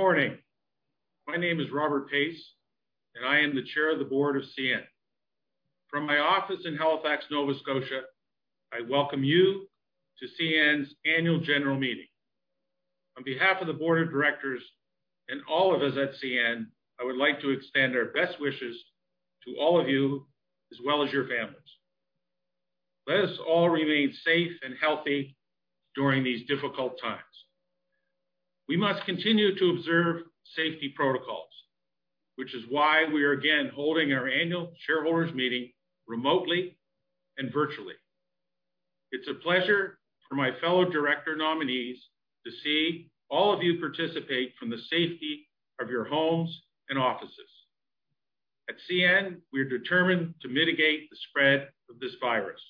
Good morning. My name is Robert Pace, and I am the Chair of the Board of CN. From my office in Halifax, Nova Scotia, I welcome you to CN's Annual General Meeting. On behalf of the Board of Directors and all of us at CN, I would like to extend our best wishes to all of you, as well as your families. Let us all remain safe and healthy during these difficult times. We must continue to observe safety protocols, which is why we are again holding our annual shareholders meeting remotely and virtually. It's a pleasure for my fellow director nominees to see all of you participate from the safety of your homes and offices. At CN, we are determined to mitigate the spread of this virus.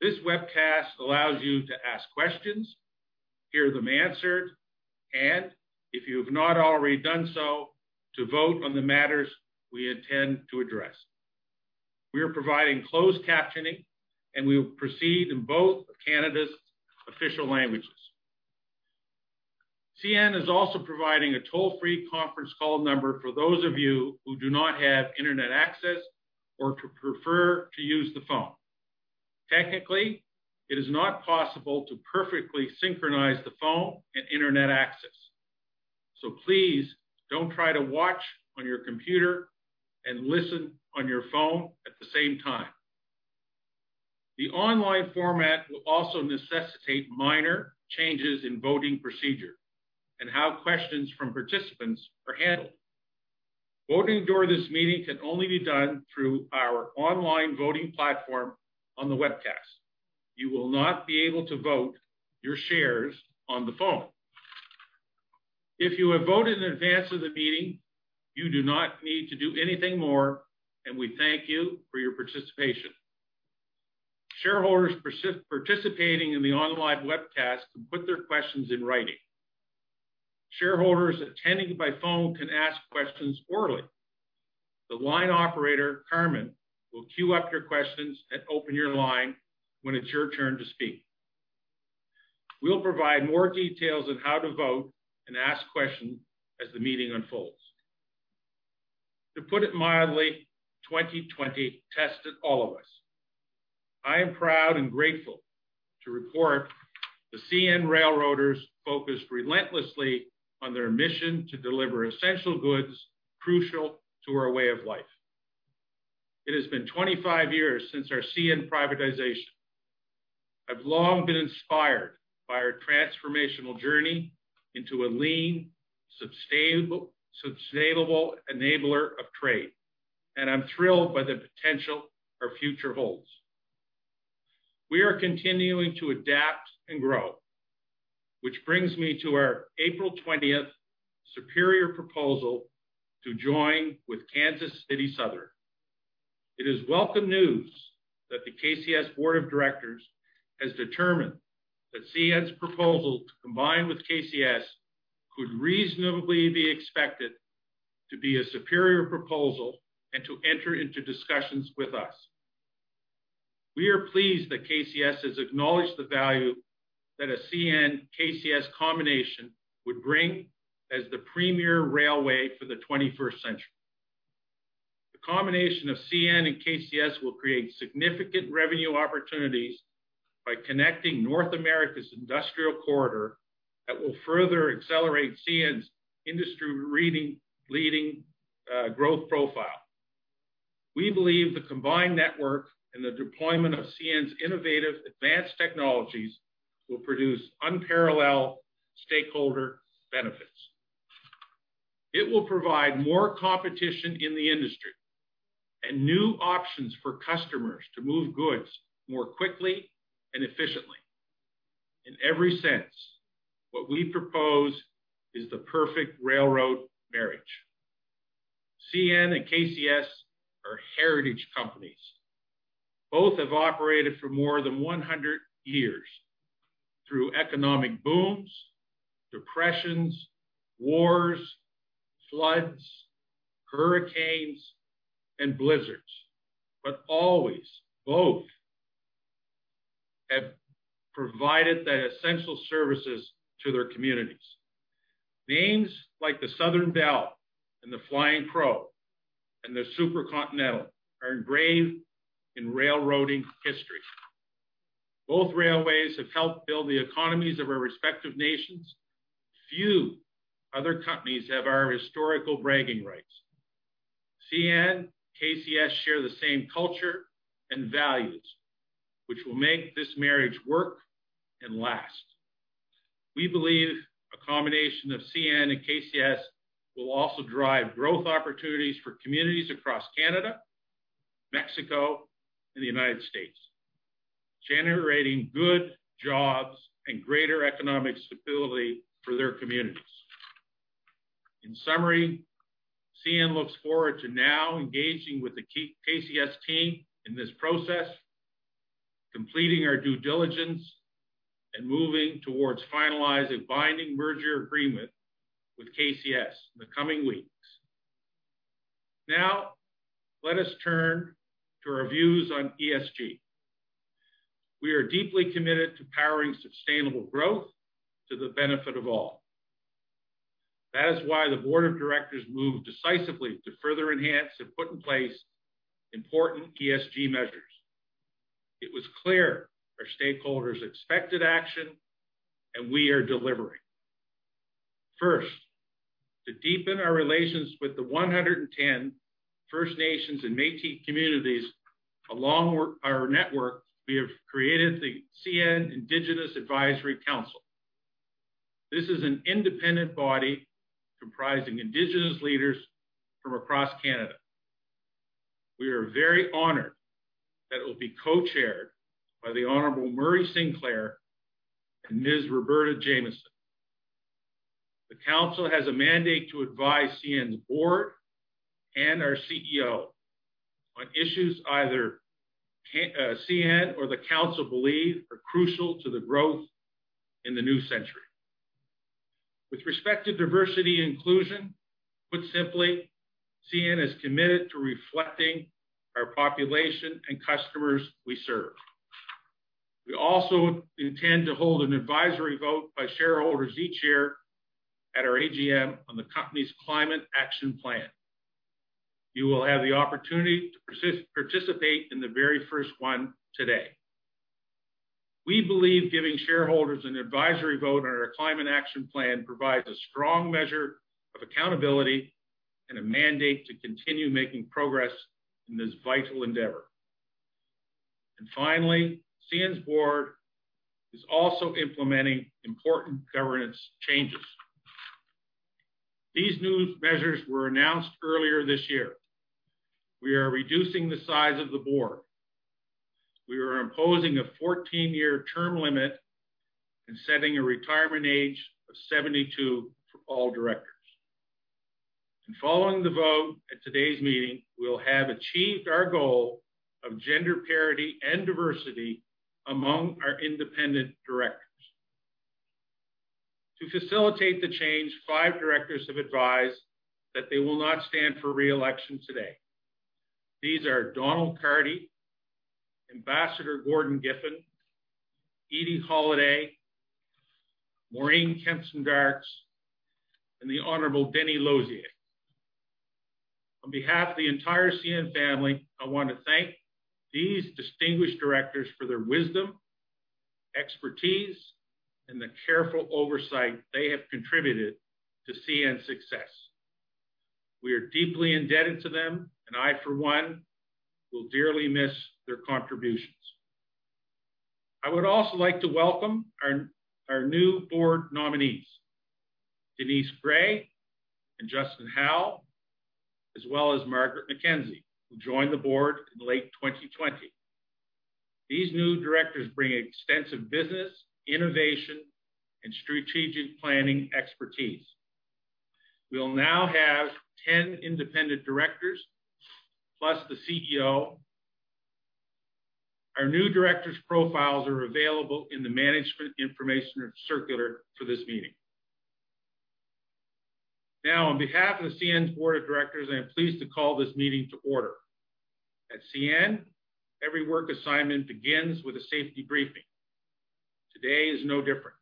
This webcast allows you to ask questions, hear them answered, and if you have not already done so, to vote on the matters we intend to address. We are providing closed captioning, and we will proceed in both of Canada's official languages. CN is also providing a toll-free conference call number for those of you who do not have internet access or to prefer to use the phone. Technically, it is not possible to perfectly synchronize the phone and internet access. Please don't try to watch on your computer and listen on your phone at the same time. The online format will also necessitate minor changes in voting procedure and how questions from participants are handled. Voting during this meeting can only be done through our online voting platform on the webcast. You will not be able to vote your shares on the phone. If you have voted in advance of the meeting, you do not need to do anything more, and we thank you for your participation. Shareholders participating in the online webcast can put their questions in writing. Shareholders attending by phone can ask questions orally. The line operator, Carmen, will queue up your questions and open your line when it's your turn to speak. We'll provide more details on how to vote and ask questions as the meeting unfolds. To put it mildly, 2020 tested all of us. I am proud and grateful to report the CN railroaders focused relentlessly on their mission to deliver essential goods crucial to our way of life. It has been 25 years since our CN privatization. I've long been inspired by our transformational journey into a lean, sustainable enabler of trade, and I'm thrilled by the potential our future holds. We are continuing to adapt and grow, which brings me to our April 20th superior proposal to join with Kansas City Southern. It is welcome news that the KCS Board of Directors has determined that CN's proposal to combine with KCS could reasonably be expected to be a superior proposal and to enter into discussions with us. We are pleased that KCS has acknowledged the value that a CN/KCS combination would bring as the premier railway for the 21st century. The combination of CN and KCS will create significant revenue opportunities by connecting North America's industrial corridor that will further accelerate CN's industry-leading growth profile. We believe the combined network and the deployment of CN's innovative advanced technologies will produce unparalleled stakeholder benefits. It will provide more competition in the industry and new options for customers to move goods more quickly and efficiently. In every sense, what we propose is the perfect railroad marriage. CN and KCS are heritage companies. Both have operated for more than 100 years through economic booms, depressions, wars, floods, hurricanes, and blizzards, but always both have provided the essential services to their communities. Names like the Southern Belle and the Flying Crow and the Super Continental are ingrained in railroading history. Both railways have helped build the economies of our respective nations. Few other companies have our historical bragging rights. CN, KCS share the same culture and values, which will make this marriage work and last. We believe a combination of CN and KCS will also drive growth opportunities for communities across Canada, Mexico, and the United States, generating good jobs and greater economic stability for their communities. In summary, CN looks forward to now engaging with the KCS team in this process, completing our due diligence, and moving towards finalizing a binding merger agreement with KCS in the coming weeks. Let us turn to our views on ESG. We are deeply committed to powering sustainable growth to the benefit of all. That is why the Board of Directors moved decisively to further enhance and put in place important ESG measures. It was clear our stakeholders expected action, and we are delivering. First, to deepen our relations with the 110 First Nations and Métis communities along our network, we have created the CN Indigenous Advisory Council. This is an independent body comprising indigenous leaders from across Canada. We are very honored that it will be co-chaired by the Honorable Murray Sinclair and Ms. Roberta Jamieson. The council has a mandate to advise CN's Board and our CEO on issues either CN or the council believe are crucial to the growth in the new century. With respect to diversity and inclusion, put simply, CN is committed to reflecting our population and customers we serve. We also intend to hold an advisory vote by shareholders each year at our AGM on the company's Climate Action Plan. You will have the opportunity to participate in the very first one today. We believe giving shareholders an advisory vote on our Climate Action Plan provides a strong measure of accountability and a mandate to continue making progress in this vital endeavor. Finally, CN's Board is also implementing important governance changes. These new measures were announced earlier this year. We are reducing the size of the Board. We are imposing a 14-year term limit and setting a retirement age of 72 for all directors. Following the vote at today's meeting, we'll have achieved our goal of gender parity and diversity among our independent directors. To facilitate the change, five directors have advised that they will not stand for re-election today. These are Donald Carty, Ambassador Gordon Giffin, Edith Holiday, Maureen Kempston Darkes, and the Honorable Denis Losier. On behalf of the entire CN family, I want to thank these distinguished directors for their wisdom, expertise, and the careful oversight they have contributed to CN's success. We are deeply indebted to them, and I, for one, will dearly miss their contributions. I would also like to welcome our new board nominees, Denise Gray and Justin Howell, as well as Margaret McKenzie, who joined the board in late 2020. These new directors bring extensive business, innovation, and strategic planning expertise. We'll now have 10 independent directors, plus the CEO. Our new directors' profiles are available in the management information circular for this meeting. On behalf of the CN's Board of Directors, I am pleased to call this meeting to order. At CN, every work assignment begins with a safety briefing. Today is no different.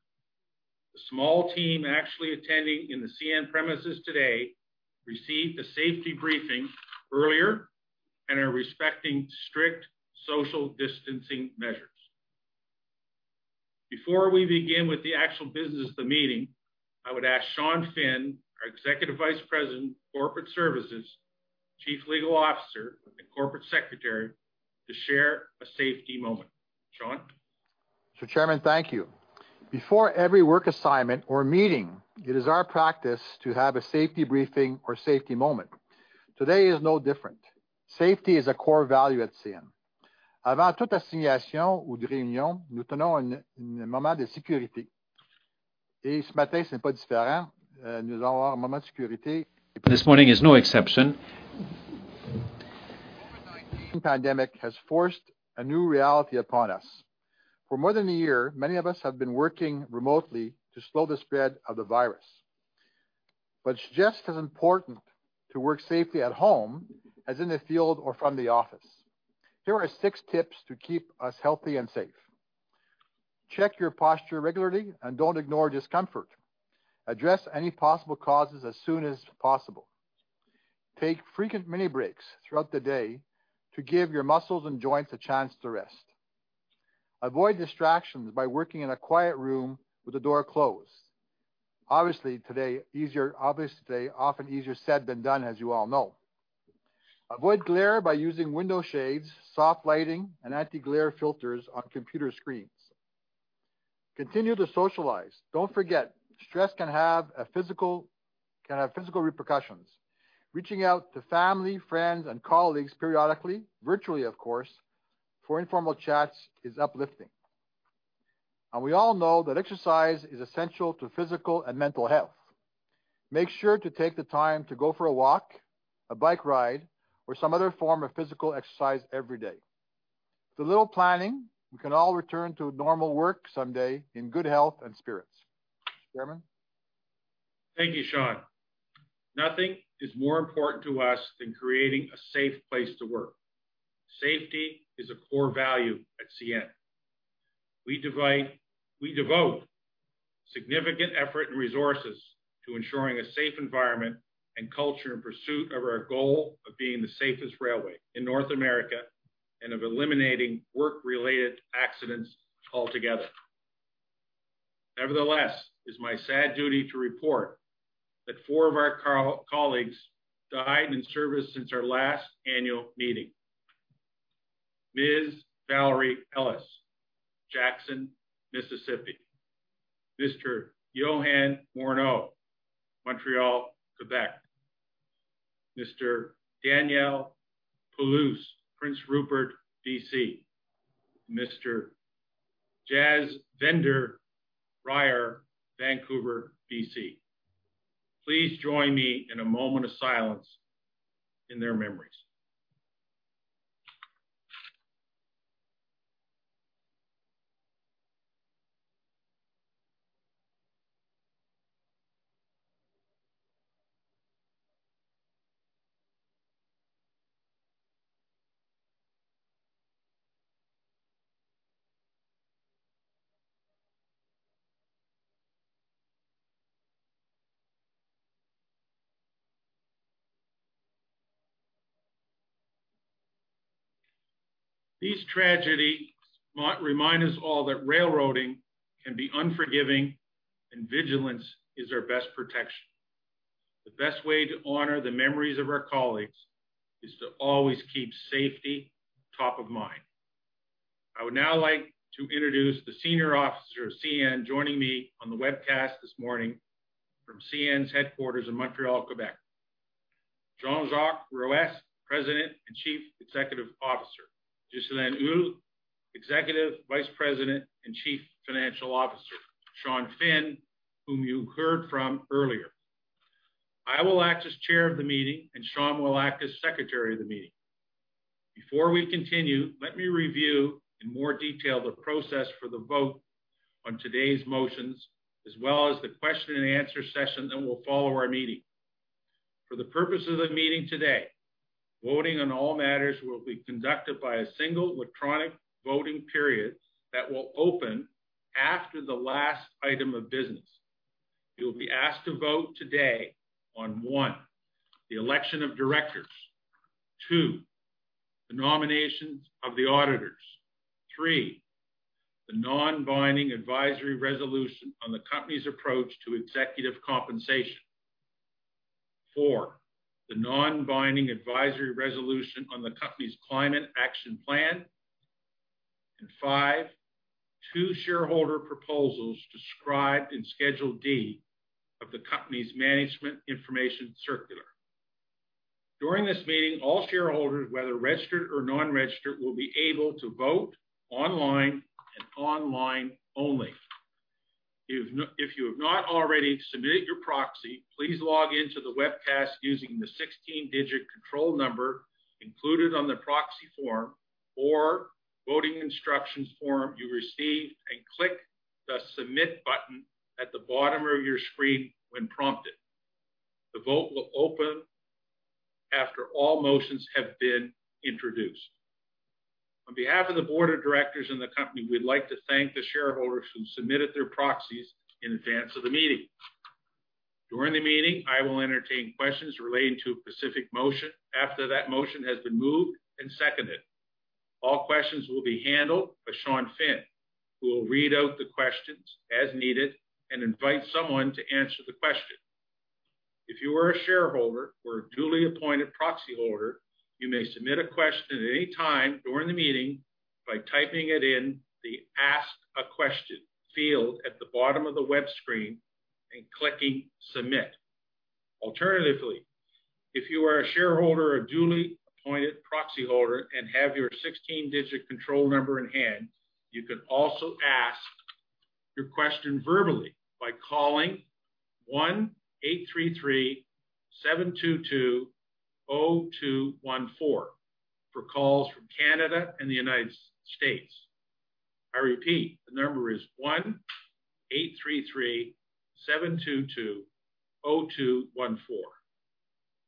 The small team actually attending in the CN premises today received a safety briefing earlier and are respecting strict social distancing measures. Before we begin with the actual business of the meeting, I would ask Sean Finn, our Executive Vice President of Corporate Services, Chief Legal Officer, and Corporate Secretary, to share a safety moment. Sean? Mr. Chairman, thank you. Before every work assignment or meeting, it is our practice to have a safety briefing or safety moment. Today is no different. Safety is a core value at CN. This morning is no exception. COVID-19 pandemic has forced a new reality upon us. For more than a year, many of us have been working remotely to slow the spread of the virus. It's just as important to work safely at home as in the field or from the office. Here are six tips to keep us healthy and safe. Check your posture regularly and don't ignore discomfort. Address any possible causes as soon as possible. Take frequent mini breaks throughout the day to give your muscles and joints a chance to rest. Avoid distractions by working in a quiet room with the door closed. Obviously, today, often easier said than done, as you all know. Avoid glare by using window shades, soft lighting, and anti-glare filters on computer screens. Continue to socialize. Don't forget, stress can have physical repercussions. Reaching out to family, friends, and colleagues periodically, virtually of course, for informal chats is uplifting. We all know that exercise is essential to physical and mental health. Make sure to take the time to go for a walk, a bike ride, or some other form of physical exercise every day. With a little planning, we can all return to normal work someday in good health and spirits. Chairman? Thank you, Sean. Nothing is more important to us than creating a safe place to work. Safety is a core value at CN. We devote significant effort and resources to ensuring a safe environment and culture in pursuit of our goal of being the safest railway in North America, and of eliminating work-related accidents altogether. Nevertheless, it is my sad duty to report that four of our colleagues died in service since our last annual meeting. Ms. Valerie Ellis, Jackson, Mississippi. Mr. Yoan Morneau, Montreal, Quebec. Mr. Daniel Paulusse, Prince Rupert, B.C. Mr. Jasvinder Riar, Vancouver, B.C. Please join me in a moment of silence in their memories. These tragedies remind us all that railroading can be unforgiving, and vigilance is our best protection. The best way to honor the memories of our colleagues is to always keep safety top of mind. I would now like to introduce the senior officers of CN joining me on the webcast this morning from CN's headquarters in Montreal, Quebec. Jean-Jacques Ruest, President and Chief Executive Officer. Ghislain Houle, Executive Vice President and Chief Financial Officer. Sean Finn, whom you heard from earlier. I will act as chair of the meeting, and Sean will act as secretary of the meeting. Before we continue, let me review in more detail the process for the vote on today's motions, as well as the question and answer session that will follow our meeting. For the purpose of the meeting today, voting on all matters will be conducted by a single electronic voting period that will open after the last item of business. You will be asked to vote today on, one, the election of directors. Two, the nominations of the auditors. Three, the non-binding advisory resolution on the company's approach to executive compensation. Four, the non-binding advisory resolution on the company's Climate Action Plan. Five, two shareholder proposals described in Schedule D of the company's management information circular. During this meeting, all shareholders, whether registered or non-registered, will be able to vote online and online only. If you have not already submitted your proxy, please log in to the webcast using the 16-digit control number included on the proxy form or voting instructions form you received, and click the submit button at the bottom of your screen when prompted. The vote will open after all motions have been introduced. On behalf of the Board of Directors and the company, we would like to thank the shareholders who submitted their proxies in advance of the meeting. During the meeting, I will entertain questions relating to a specific motion after that motion has been moved and seconded. All questions will be handled by Sean Finn, who will read out the questions as needed and invite someone to answer the question. If you are a shareholder or a duly appointed proxy holder, you may submit a question at any time during the meeting by typing it in the Ask a Question field at the bottom of the web screen and clicking submit. Alternatively, if you are a shareholder or duly appointed proxy holder and have your 16-digit control number in hand, you can also ask your question verbally by calling 1-833-722-0214 for calls from Canada and the United States. I repeat, the number is 1-833-722-0214.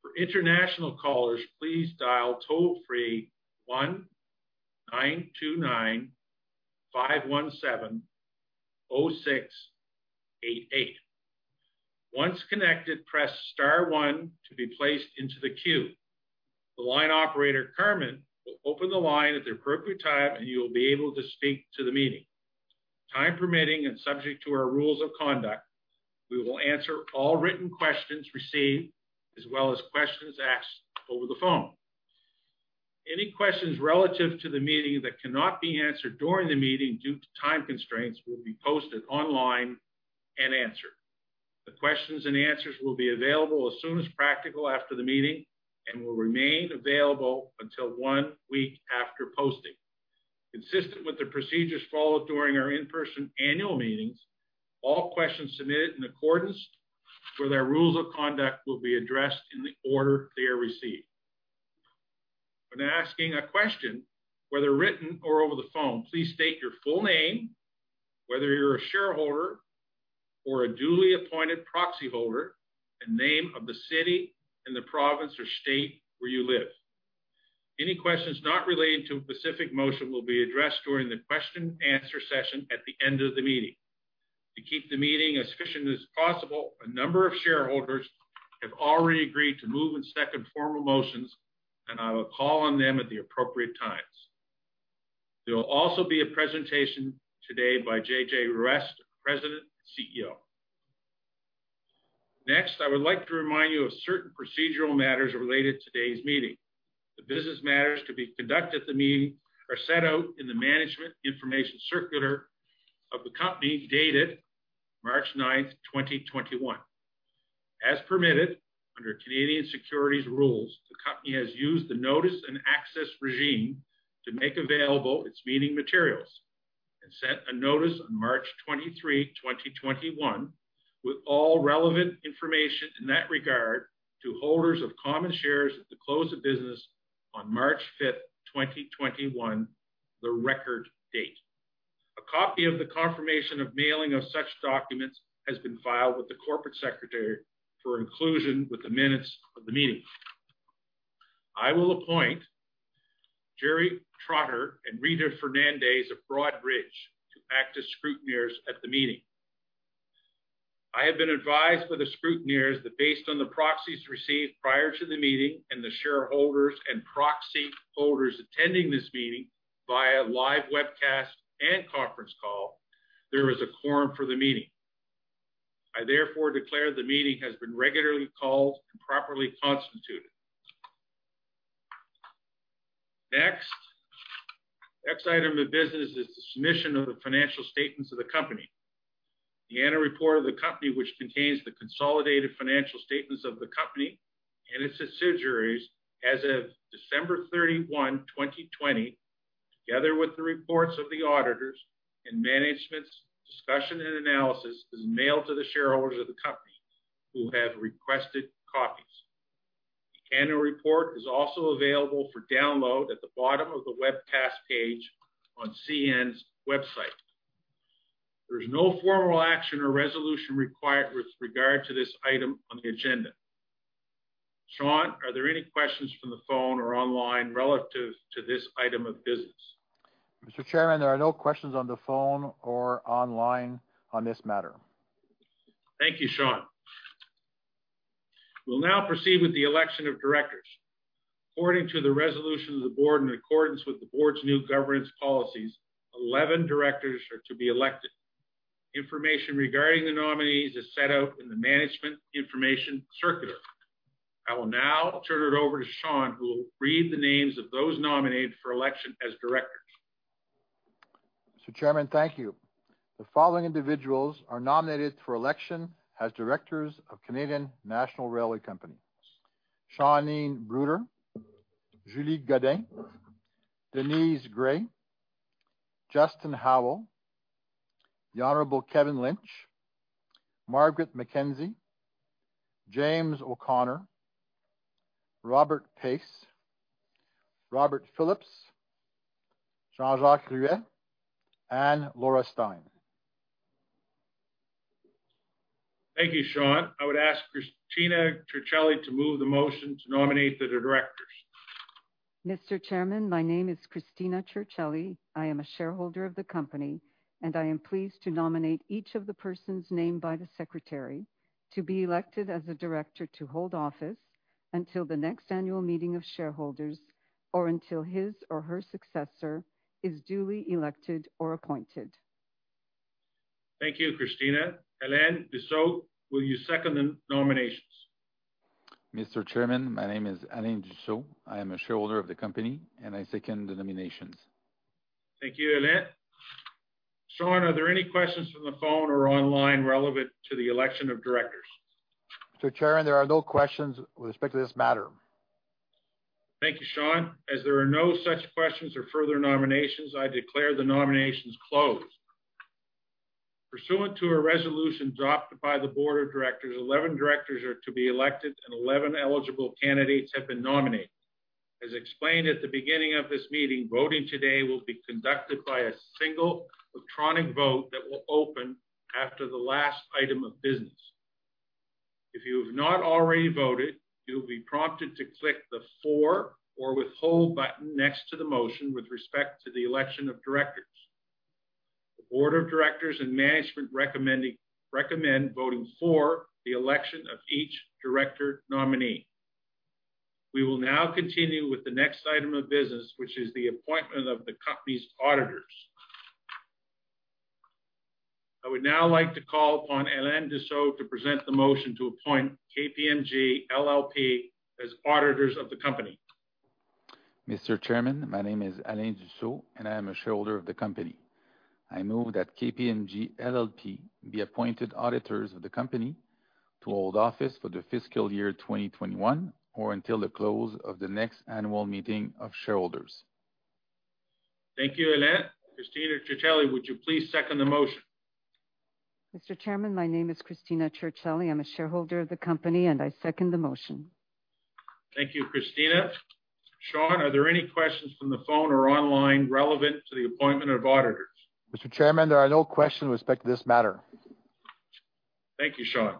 For international callers, please dial toll-free 1-929-517-0688. Once connected, press star one to be placed into the queue. The line operator, Carmen, will open the line at the appropriate time, and you will be able to speak to the meeting. Time permitting, and subject to our rules of conduct, we will answer all written questions received as well as questions asked over the phone. Any questions relative to the meeting that cannot be answered during the meeting due to time constraints will be posted online and answered. The questions-and-answers will be available as soon as practical after the meeting and will remain available until one week after posting. Consistent with the procedures followed during our in-person annual meetings, all questions submitted in accordance For their rules of conduct will be addressed in the order they are received. When asking a question, whether written or over the phone, please state your full name, whether you're a shareholder or a duly appointed proxyholder, and name of the city and the province or state where you live. Any questions not relating to a specific motion will be addressed during the question-answer session at the end of the meeting. To keep the meeting as efficient as possible, a number of shareholders have already agreed to move and second formal motions, and I will call on them at the appropriate times. There will also be a presentation today by JJ Ruest, President and Chief Executive Officer. Next, I would like to remind you of certain procedural matters related to today's meeting. The business matters to be conducted at the meeting are set out in the management information circular of the company, dated March 9th, 2021. As permitted under Canadian securities rules, the company has used the notice and access regime to make available its meeting materials and sent a notice on March 23, 2021, with all relevant information in that regard to holders of common shares at the close of business on March 5th, 2021, the record date. A copy of the confirmation of mailing of such documents has been filed with the corporate secretary for inclusion with the minutes of the meeting. I will appoint Jerry Trotter and Rita Fernandes of Broadridge to act as scrutineers at the meeting. I have been advised by the scrutineers that based on the proxies received prior to the meeting, and the shareholders and proxy holders attending this meeting via live webcast and conference call, there is a quorum for the meeting. I therefore declare the meeting has been regularly called and properly constituted. Next item of business is the submission of the financial statements of the company. The annual report of the company, which contains the consolidated financial statements of the company and its subsidiaries as of December 31, 2020, together with the reports of the auditors and management's discussion and analysis, is mailed to the shareholders of the company who have requested copies. The annual report is also available for download at the bottom of the webcast page on CN's website. There is no formal action or resolution required with regard to this item on the agenda. Sean, are there any questions from the phone or online relative to this item of business? Mr. Chairman, there are no questions on the phone or online on this matter. Thank you, Sean. We'll now proceed with the election of directors. According to the resolution of the board in accordance with the board's new governance policies, 11 directors are to be elected. Information regarding the nominees is set out in the management information circular. I will now turn it over to Sean, who will read the names of those nominated for election as directors. Mr. Chairman, thank you. The following individuals are nominated for election as directors of Canadian National Railway Company: Shauneen Bruder, Julie Godin, Denise Gray, Justin Howell, The Honorable Kevin Lynch, Margaret McKenzie, James O'Connor, Robert Pace, Robert Phillips, Jean-Jacques Ruest, and Laura Stein. Thank you, Sean. I would ask Cristina Circelli to move the motion to nominate the directors. Mr. Chairman, my name is Cristina Circelli. I am a shareholder of the company, and I am pleased to nominate each of the persons named by the secretary to be elected as a director to hold office until the next annual meeting of shareholders, or until his or her successor is duly elected or appointed. Thank you, Cristina. Alain Dussault, will you second the nominations? Mr. Chairman, my name is Alain Dussault. I am a shareholder of the company. I second the nominations. Thank you, Alain. Sean, are there any questions from the phone or online relevant to the election of directors? Mr. Chairman, there are no questions with respect to this matter. Thank you, Sean. As there are no such questions or further nominations, I declare the nominations closed. Pursuant to a resolution adopted by the Board of Directors, 11 directors are to be elected, and 11 eligible candidates have been nominated. As explained at the beginning of this meeting, voting today will be conducted by a single electronic vote that will open after the last item of business. If you have not already voted, you'll be prompted to click the for or withhold button next to the motion with respect to the election of directors. The Board of Directors and management recommend voting for the election of each director nominee. We will now continue with the next item of business, which is the appointment of the company's auditors. I would now like to call upon Alain Dussault to present the motion to appoint KPMG LLP as auditors of the company. Mr. Chairman, my name is Alain Dussault, and I am a shareholder of the company. I move that KPMG LLP be appointed auditors of the company to hold office for the fiscal year 2021, or until the close of the next annual meeting of shareholders Thank you, Alain. Cristina Circelli, would you please second the motion? Mr. Chairman, my name is Cristina Circelli. I'm a shareholder of the company, and I second the motion. Thank you, Cristina. Sean, are there any questions from the phone or online relevant to the appointment of auditors? Mr. Chairman, there are no questions with respect to this matter. Thank you, Sean.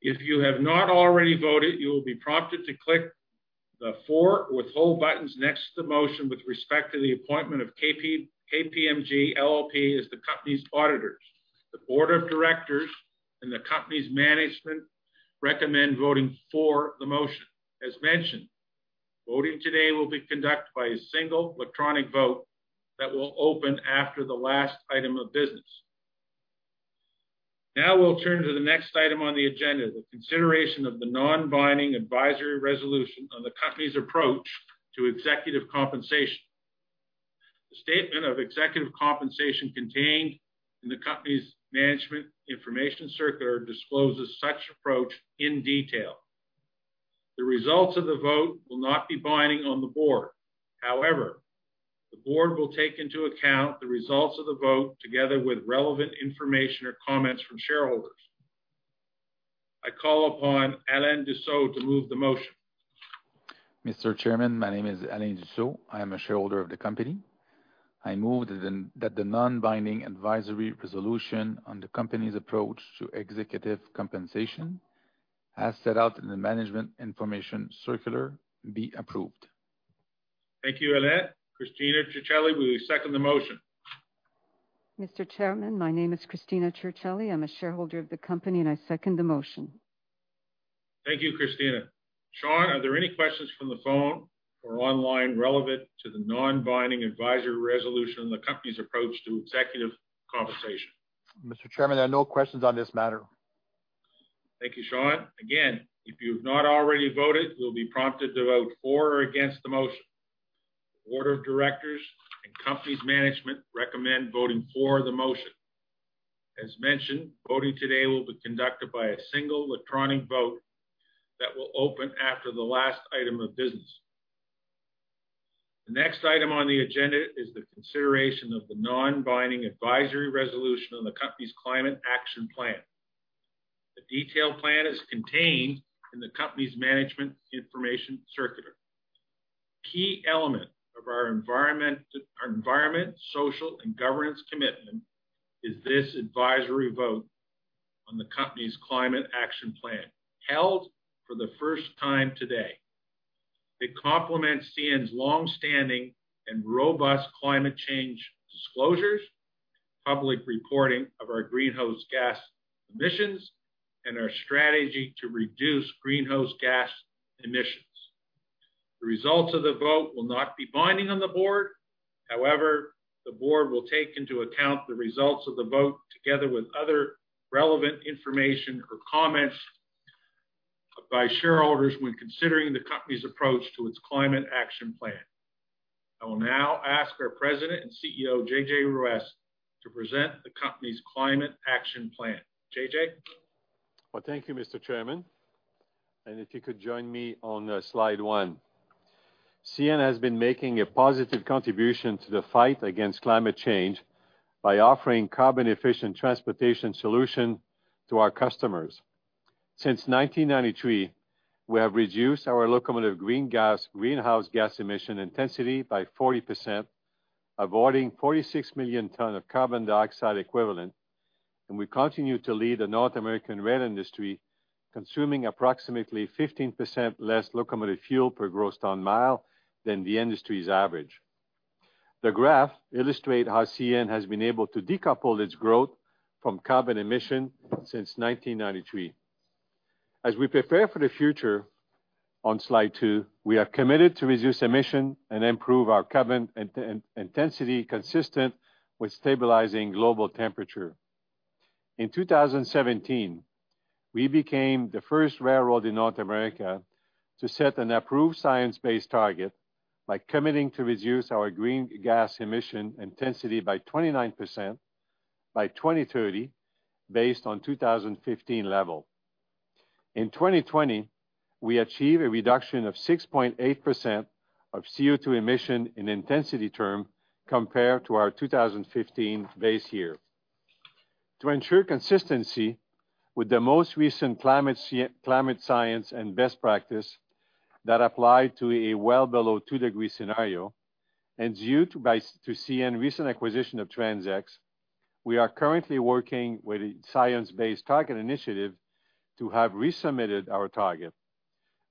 If you have not already voted, you will be prompted to click the for or withhold buttons next to the motion with respect to the appointment of KPMG LLP as the company's auditors. The Board of Directors and the company's management recommend voting for the motion. As mentioned, voting today will be conducted by a single electronic vote that will open after the last item of business. Now we'll turn to the next item on the agenda, the consideration of the non-binding advisory resolution on the company's approach to executive compensation. The statement of executive compensation contained in the company's management information circular discloses such approach in detail. The results of the vote will not be binding on the board. However, the board will take into account the results of the vote together with relevant information or comments from shareholders. I call upon Alain Dussault to move the motion. Mr. Chairman, my name is Alain Dussault. I am a shareholder of the company. I move that the non-binding advisory resolution on the company's approach to executive compensation, as set out in the management information circular, be approved. Thank you, Alain. Cristina Circelli, will you second the motion? Mr. Chairman, my name is Cristina Circelli, I'm a shareholder of the company, and I second the motion. Thank you, Cristina. Sean, are there any questions from the phone or online relevant to the non-binding advisory resolution on the company's approach to executive compensation? Mr. Chairman, there are no questions on this matter. Thank you, Sean. Again, if you have not already voted, you will be prompted to vote for or against the motion. The Board of Directors and company's management recommend voting for the motion. As mentioned, voting today will be conducted by a single electronic vote that will open after the last item of business. The next item on the agenda is the consideration of the non-binding advisory resolution on the company's Climate Action Plan. The detailed plan is contained in the company's management information circular. A key element of our environment, social, and governance commitment is this advisory vote on the company's Climate Action Plan, held for the first time today. It complements CN's longstanding and robust climate change disclosures, public reporting of our greenhouse gas emissions, and our strategy to reduce greenhouse gas emissions. The results of the vote will not be binding on the board. However, the board will take into account the results of the vote together with other relevant information or comments by shareholders when considering the company's approach to its Climate Action Plan. I will now ask our President and CEO, JJ Ruest, to present the company's Climate Action Plan. JJ? Thank you, Mr. Chairman. If you could join me on slide one. CN has been making a positive contribution to the fight against climate change by offering carbon-efficient transportation solution to our customers. Since 1993, we have reduced our locomotive greenhouse gas emission intensity by 40%, avoiding 46 million tons of carbon dioxide equivalent. We continue to lead the North American rail industry, consuming approximately 15% less locomotive fuel per gross ton mile than the industry's average. The graph illustrates how CN has been able to decouple its growth from carbon emission since 1993. As we prepare for the future, on slide two, we are committed to reduce emission and improve our carbon intensity consistent with stabilizing global temperature. In 2017, we became the first railroad in North America to set an approved science-based target by committing to reduce our greenhouse gas emission intensity by 29% by 2030 based on 2015 level. In 2020, we achieved a reduction of 6.8% of CO2 emission in intensity term compared to our 2015 base year. To ensure consistency with the most recent climate science and best practice that apply to a well below two degree scenario, and due to CN recent acquisition of TransX, we are currently working with the Science Based Targets initiative to have resubmitted our target.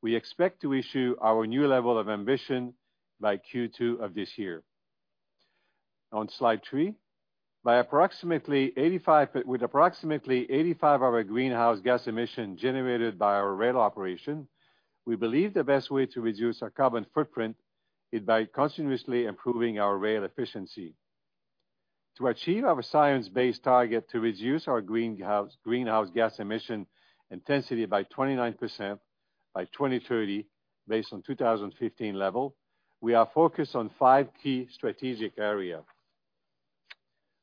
We expect to issue our new level of ambition by Q2 of this year. On slide three, with approximately 85 of our greenhouse gas emission generated by our rail operation, we believe the best way to reduce our carbon footprint is by continuously improving our rail efficiency. To achieve our science-based target to reduce our greenhouse gas emission intensity by 29% by 2030 based on 2015 level, we are focused on five key strategic areas.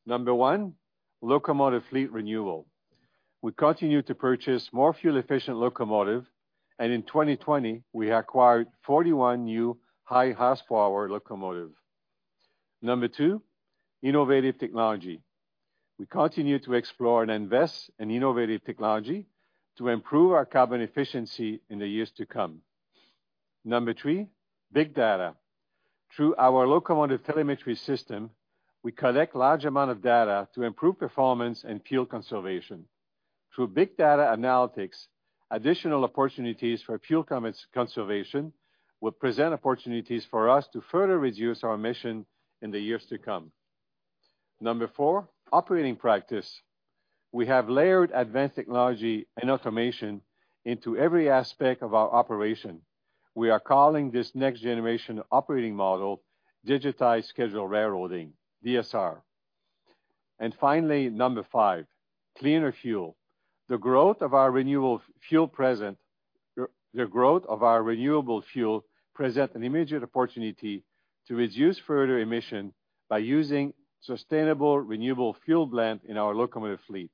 Number one, locomotive fleet renewal. We continue to purchase more fuel-efficient locomotives, and in 2020, we acquired 41 new high horsepower locomotives. Number two, innovative technology. We continue to explore and invest in innovative technology to improve our carbon efficiency in the years to come. Number three, big data. Through our locomotive telemetry system, we collect large amounts of data to improve performance and fuel conservation. Through big data analytics, additional opportunities for fuel conservation will present opportunities for us to further reduce our emissions in the years to come. Number four, operating practice. We have layered advanced technology and automation into every aspect of our operation. We are calling this next-generation operating model Digitized Scheduled Railroading, DSR. Finally, number five, cleaner fuel. The growth of our renewable fuel present an immediate opportunity to reduce further emission by using sustainable renewable fuel blend in our locomotive fleet.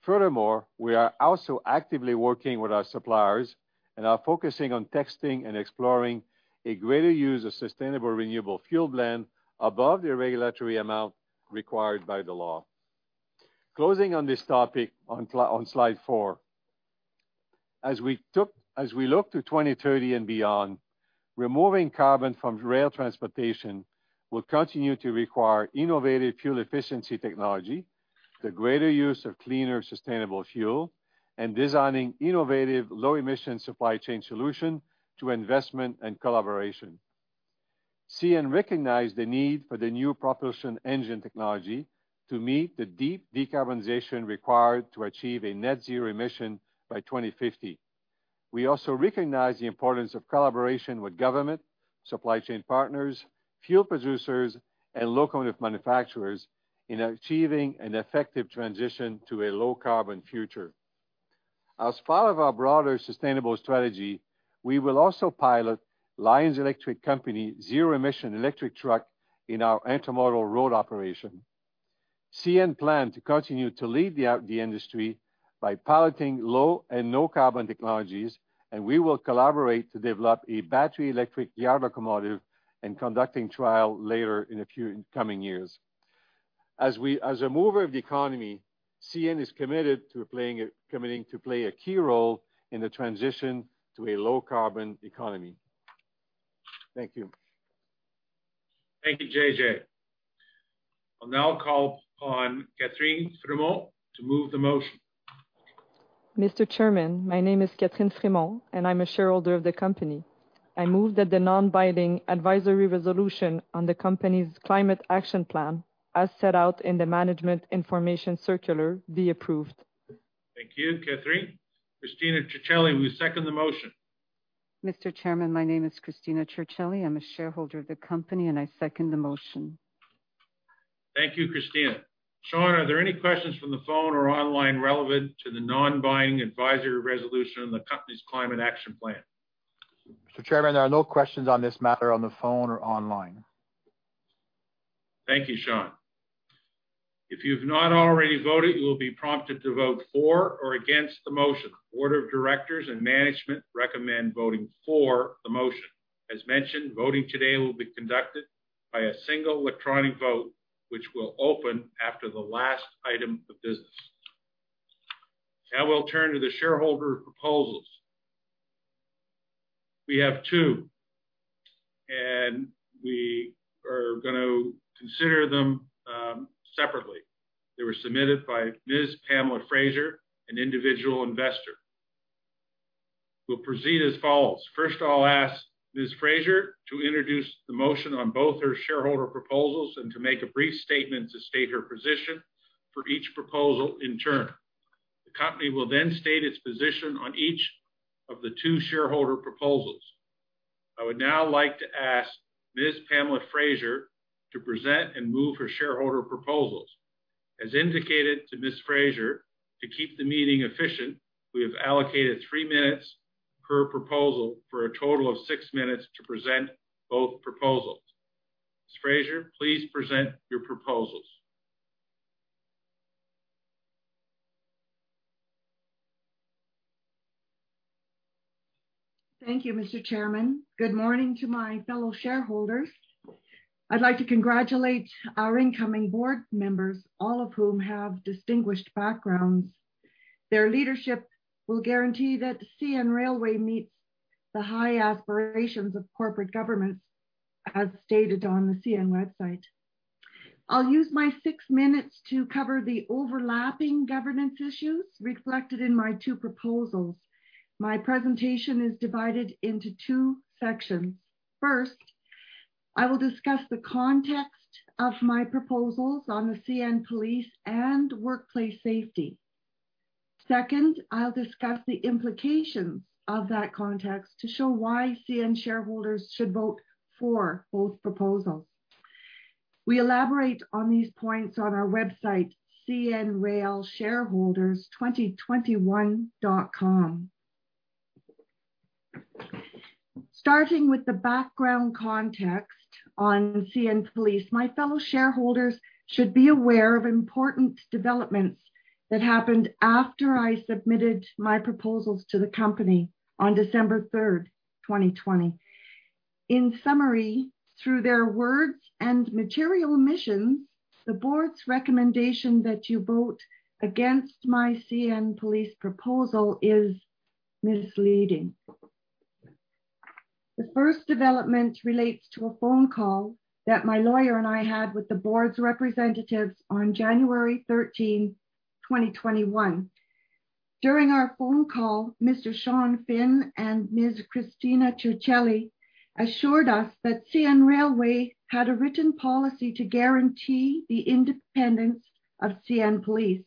Furthermore, we are also actively working with our suppliers and are focusing on testing and exploring a greater use of sustainable renewable fuel blend above the regulatory amount required by the law. Closing on this topic on slide four, as we look to 2030 and beyond, removing carbon from rail transportation will continue to require innovative fuel efficiency technology, the greater use of cleaner, sustainable fuel, and designing innovative low-emission supply chain solution through investment and collaboration. CN recognize the need for the new propulsion engine technology to meet the deep decarbonization required to achieve a net-zero emission by 2050. We also recognize the importance of collaboration with government, supply chain partners, fuel producers, and locomotive manufacturers in achieving an effective transition to a low-carbon future. As part of our broader sustainable strategy, we will also pilot The Lion Electric Company zero-emission electric truck in our intermodal road operation. CN plan to continue to lead the industry by piloting low and no carbon technologies. We will collaborate to develop a battery electric yard locomotive and conducting trial later in the coming years. As a mover of the economy, CN is committing to play a key role in the transition to a low-carbon economy. Thank you. Thank you, JJ. I'll now call on Catherine Frémont to move the motion. Mr. Chairman, my name is Catherine Frémont, and I'm a shareholder of the company. I move that the non-binding advisory resolution on the company's Climate Action Plan, as set out in the management information circular, be approved. Thank you, Catherine. Cristina Circelli, will you second the motion? Mr. Chairman, my name is Cristina Circelli. I'm a shareholder of the company, and I second the motion. Thank you, Cristina. Sean, are there any questions from the phone or online relevant to the non-binding advisory resolution on the company's Climate Action Plan? Mr. Chairman, there are no questions on this matter on the phone or online. Thank you, Sean. If you've not already voted, you will be prompted to vote for or against the motion. Board of Directors and management recommend voting for the motion. As mentioned, voting today will be conducted by a single electronic vote, which will open after the last item of business. Now we'll turn to the shareholder proposals. We have two, and we are going to consider them separately. They were submitted by Ms. Pamela Fraser, an individual investor. We'll proceed as follows. First, I'll ask Ms. Fraser to introduce the motion on both her shareholder proposals and to make a brief statement to state her position for each proposal in turn. The company will then state its position on each of the two shareholder proposals. I would now like to ask Ms. Pamela Fraser to present and move her shareholder proposals. As indicated to Ms. Fraser, to keep the meeting efficient, we have allocated three minutes per proposal for a total of six minutes to present both proposals. Ms. Fraser, please present your proposals. Thank you, Mr. Chairman. Good morning to my fellow shareholders. I'd like to congratulate our incoming board members, all of whom have distinguished backgrounds. Their leadership will guarantee that CN Railway meets the high aspirations of corporate governance, as stated on the CN website. I'll use my six minutes to cover the overlapping governance issues reflected in my two proposals. My presentation is divided into two sections. First, I will discuss the context of my proposals on the CN Police and workplace safety. Second, I'll discuss the implications of that context to show why CN shareholders should vote for both proposals. We elaborate on these points on our website, cnrailshareholders2021.com. Starting with the background context on CN Police, my fellow shareholders should be aware of important developments that happened after I submitted my proposals to the company on December 3rd, 2020. In summary, through their words and material omissions, the board's recommendation that you vote against my CN Police proposal is misleading. The first development relates to a phone call that my lawyer and I had with the board's representatives on January 13, 2021. During our phone call, Mr. Sean Finn and Ms. Cristina Circelli assured us that CN Railway had a written policy to guarantee the independence of CN Police.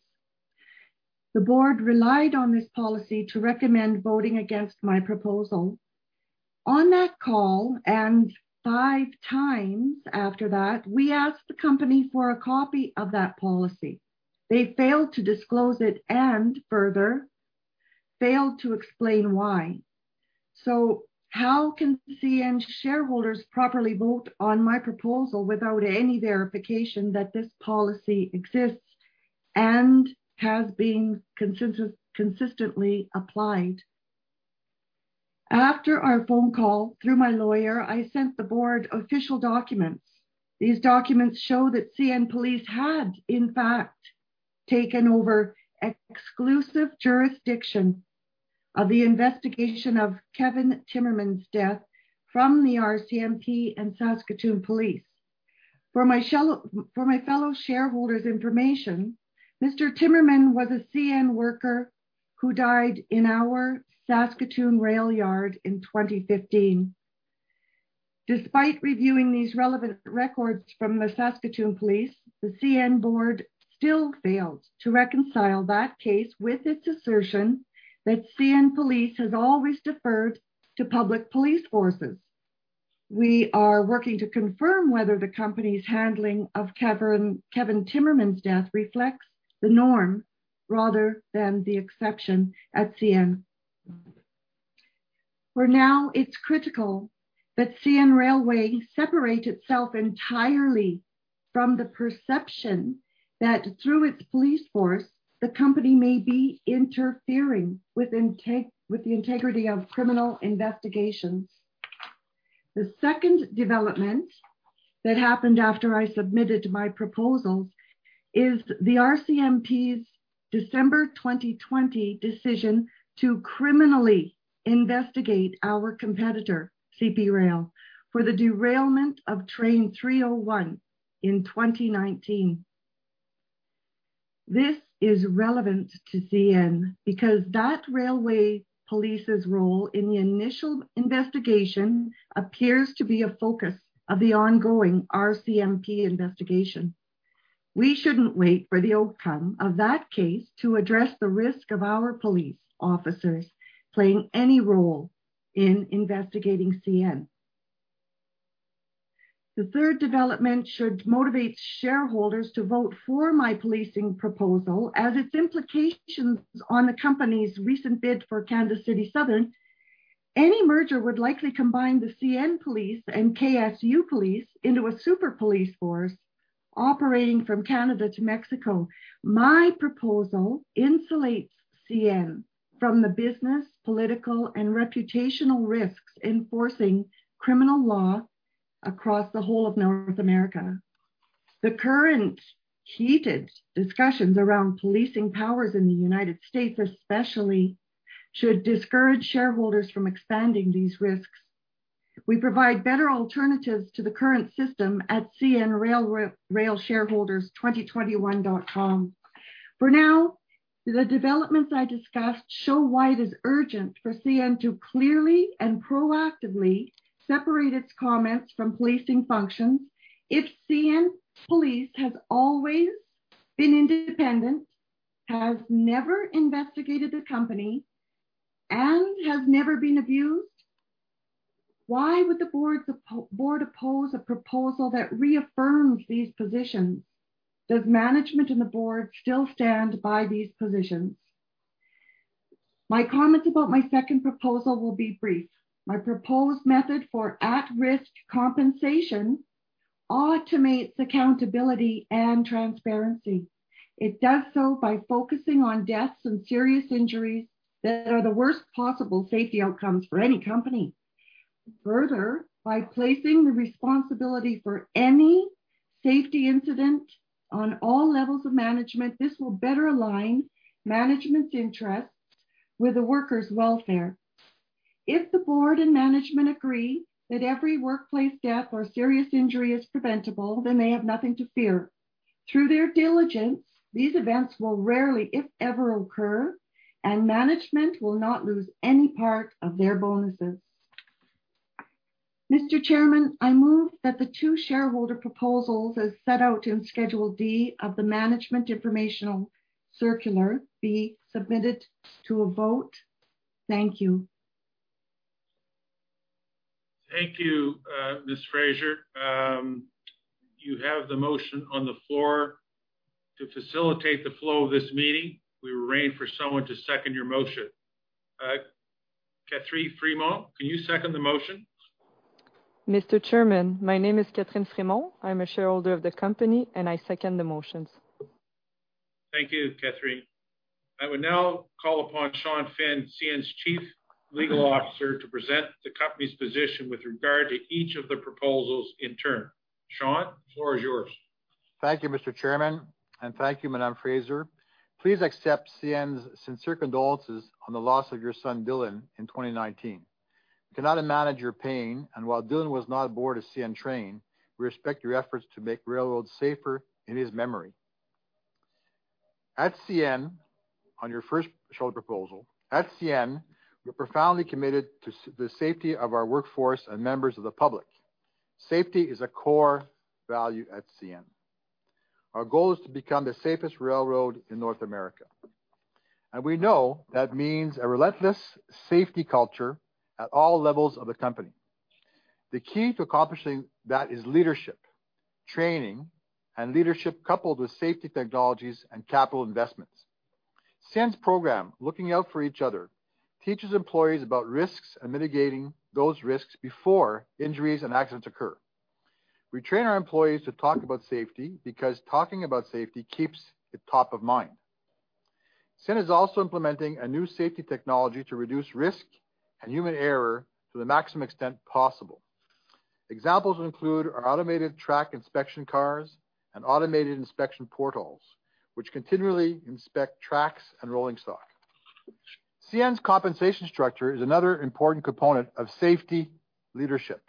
The board relied on this policy to recommend voting against my proposal. On that call, and five times after that, we asked the company for a copy of that policy. They failed to disclose it and further failed to explain why. How can CN shareholders properly vote on my proposal without any verification that this policy exists and has been consistently applied? After our phone call, through my lawyer, I sent the board official documents. These documents show that CN Police had, in fact, taken over exclusive jurisdiction of the investigation of Kevin Timmerman's death from the RCMP and Saskatoon Police. For my fellow shareholders' information, Mr. Timmerman was a CN worker who died in our Saskatoon rail yard in 2015. Despite reviewing these relevant records from the Saskatoon Police, the CN board still failed to reconcile that case with its assertion that CN Police has always deferred to public police forces. We are working to confirm whether the company's handling of Kevin Timmerman's death reflects the norm rather than the exception at CN. For now, it's critical that CN Railway separate itself entirely from the perception that through its police force, the company may be interfering with the integrity of criminal investigations. The second development that happened after I submitted my proposals is the RCMP's December 2020 decision to criminally investigate our competitor, CP Rail, for the derailment of Train 301 in 2019. This is relevant to CN because that railway police's role in the initial investigation appears to be a focus of the ongoing RCMP investigation. We shouldn't wait for the outcome of that case to address the risk of our police officers playing any role in investigating CN. The third development should motivate shareholders to vote for my policing proposal as its implications on the company's recent bid for Kansas City Southern. Any merger would likely combine the CN Police and KCS Police into a super police force operating from Canada to Mexico. My proposal insulates CN from the business, political, and reputational risks enforcing criminal law across the whole of North America. The current heated discussions around policing powers in the U.S., especially, should discourage shareholders from expanding these risks. We provide better alternatives to the current system at cnrailshareholders2021.com. For now, the developments I discussed show why it is urgent for CN to clearly and proactively separate its comments from policing functions. If CN Police has always been independent, has never investigated the company, and has never been abused, why would the board oppose a proposal that reaffirms these positions? Does management and the board still stand by these positions? My comments about my second proposal will be brief. My proposed method for at-risk compensation automates accountability and transparency. It does so by focusing on deaths and serious injuries that are the worst possible safety outcomes for any company. Further, by placing the responsibility for any safety incident on all levels of management, this will better align management's interests with the workers' welfare. If the board and management agree that every workplace death or serious injury is preventable, then they have nothing to fear. Through their diligence, these events will rarely, if ever, occur, and management will not lose any part of their bonuses. Mr. Chairman, I move that the two shareholder proposals, as set out in Schedule D of the management informational circular, be submitted to a vote. Thank you. Thank you, Ms. Fraser. You have the motion on the floor. To facilitate the flow of this meeting, we will arrange for someone to second your motion. Catherine Frémont, can you second the motion? Mr. Chairman, my name is Catherine Frémont. I'm a shareholder of the company, and I second the motions. Thank you, Catherine. I would now call upon Sean Finn, CN's Chief Legal Officer, to present the company's position with regard to each of the proposals in turn. Sean, the floor is yours. Thank you, Mr. Chairman, and thank you, Madam Fraser. Please accept CN's sincere condolences on the loss of your son, Dylan, in 2019. We cannot imagine your pain, and while Dylan was not aboard a CN train, we respect your efforts to make railroads safer in his memory. On your first shareholder proposal, at CN, we are profoundly committed to the safety of our workforce and members of the public. Safety is a core value at CN. Our goal is to become the safest railroad in North America, and we know that means a relentless safety culture at all levels of the company. The key to accomplishing that is leadership, training, and leadership coupled with safety technologies and capital investments. CN's program, Looking Out for Each Other, teaches employees about risks and mitigating those risks before injuries and accidents occur. We train our employees to talk about safety because talking about safety keeps it top of mind. CN is also implementing a new safety technology to reduce risk and human error to the maximum extent possible. Examples include our automated track inspection cars and automated inspection portals, which continually inspect tracks and rolling stock. CN's compensation structure is another important component of safety leadership.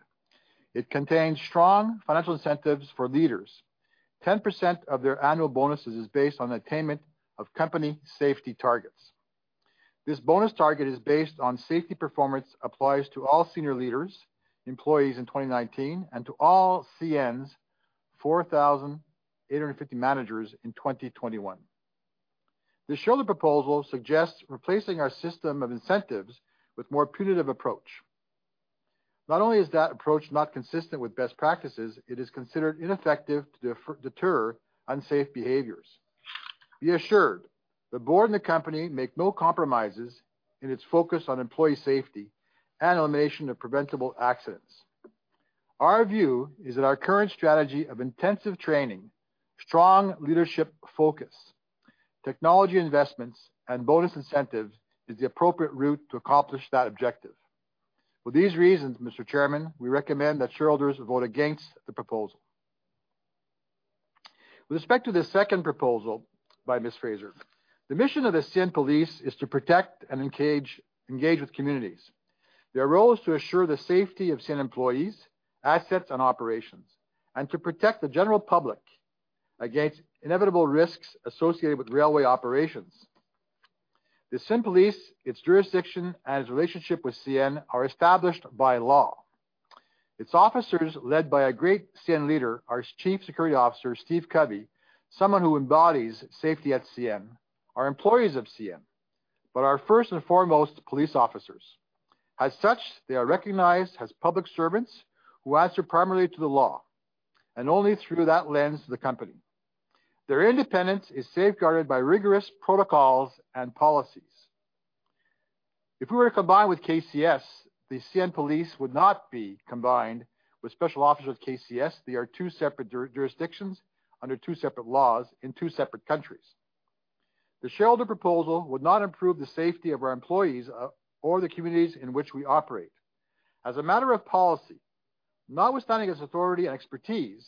It contains strong financial incentives for leaders. 10% of their annual bonuses is based on attainment of company safety targets. This bonus target is based on safety performance, applies to all senior leaders, employees in 2019, and to all CN's 4,850 managers in 2021. The shareholder proposal suggests replacing our system of incentives with more punitive approach. Not only is that approach not consistent with best practices, it is considered ineffective to deter unsafe behaviors. Be assured, the board and the company make no compromises in its focus on employee safety and elimination of preventable accidents. Our view is that our current strategy of intensive training, strong leadership focus, technology investments, and bonus incentives is the appropriate route to accomplish that objective. For these reasons, Mr. Chairman, we recommend that shareholders vote against the proposal. With respect to the second proposal by Ms. Fraser, the mission of the CN Police is to protect and engage with communities. Their role is to assure the safety of CN employees, assets, and operations, and to protect the general public against inevitable risks associated with railway operations. The CN Police, its jurisdiction, and its relationship with CN are established by law. Its officers, led by a great CN leader, our chief security officer, Stephen Covey, someone who embodies safety at CN, are employees of CN, but are first and foremost police officers. As such, they are recognized as public servants who answer primarily to the law, and only through that lens to the company. Their independence is safeguarded by rigorous protocols and policies. If we were to combine with KCS, the CN police would not be combined with special officers of KCS. They are two separate jurisdictions under two separate laws in two separate countries. The shareholder proposal would not improve the safety of our employees or the communities in which we operate. As a matter of policy, notwithstanding its authority and expertise,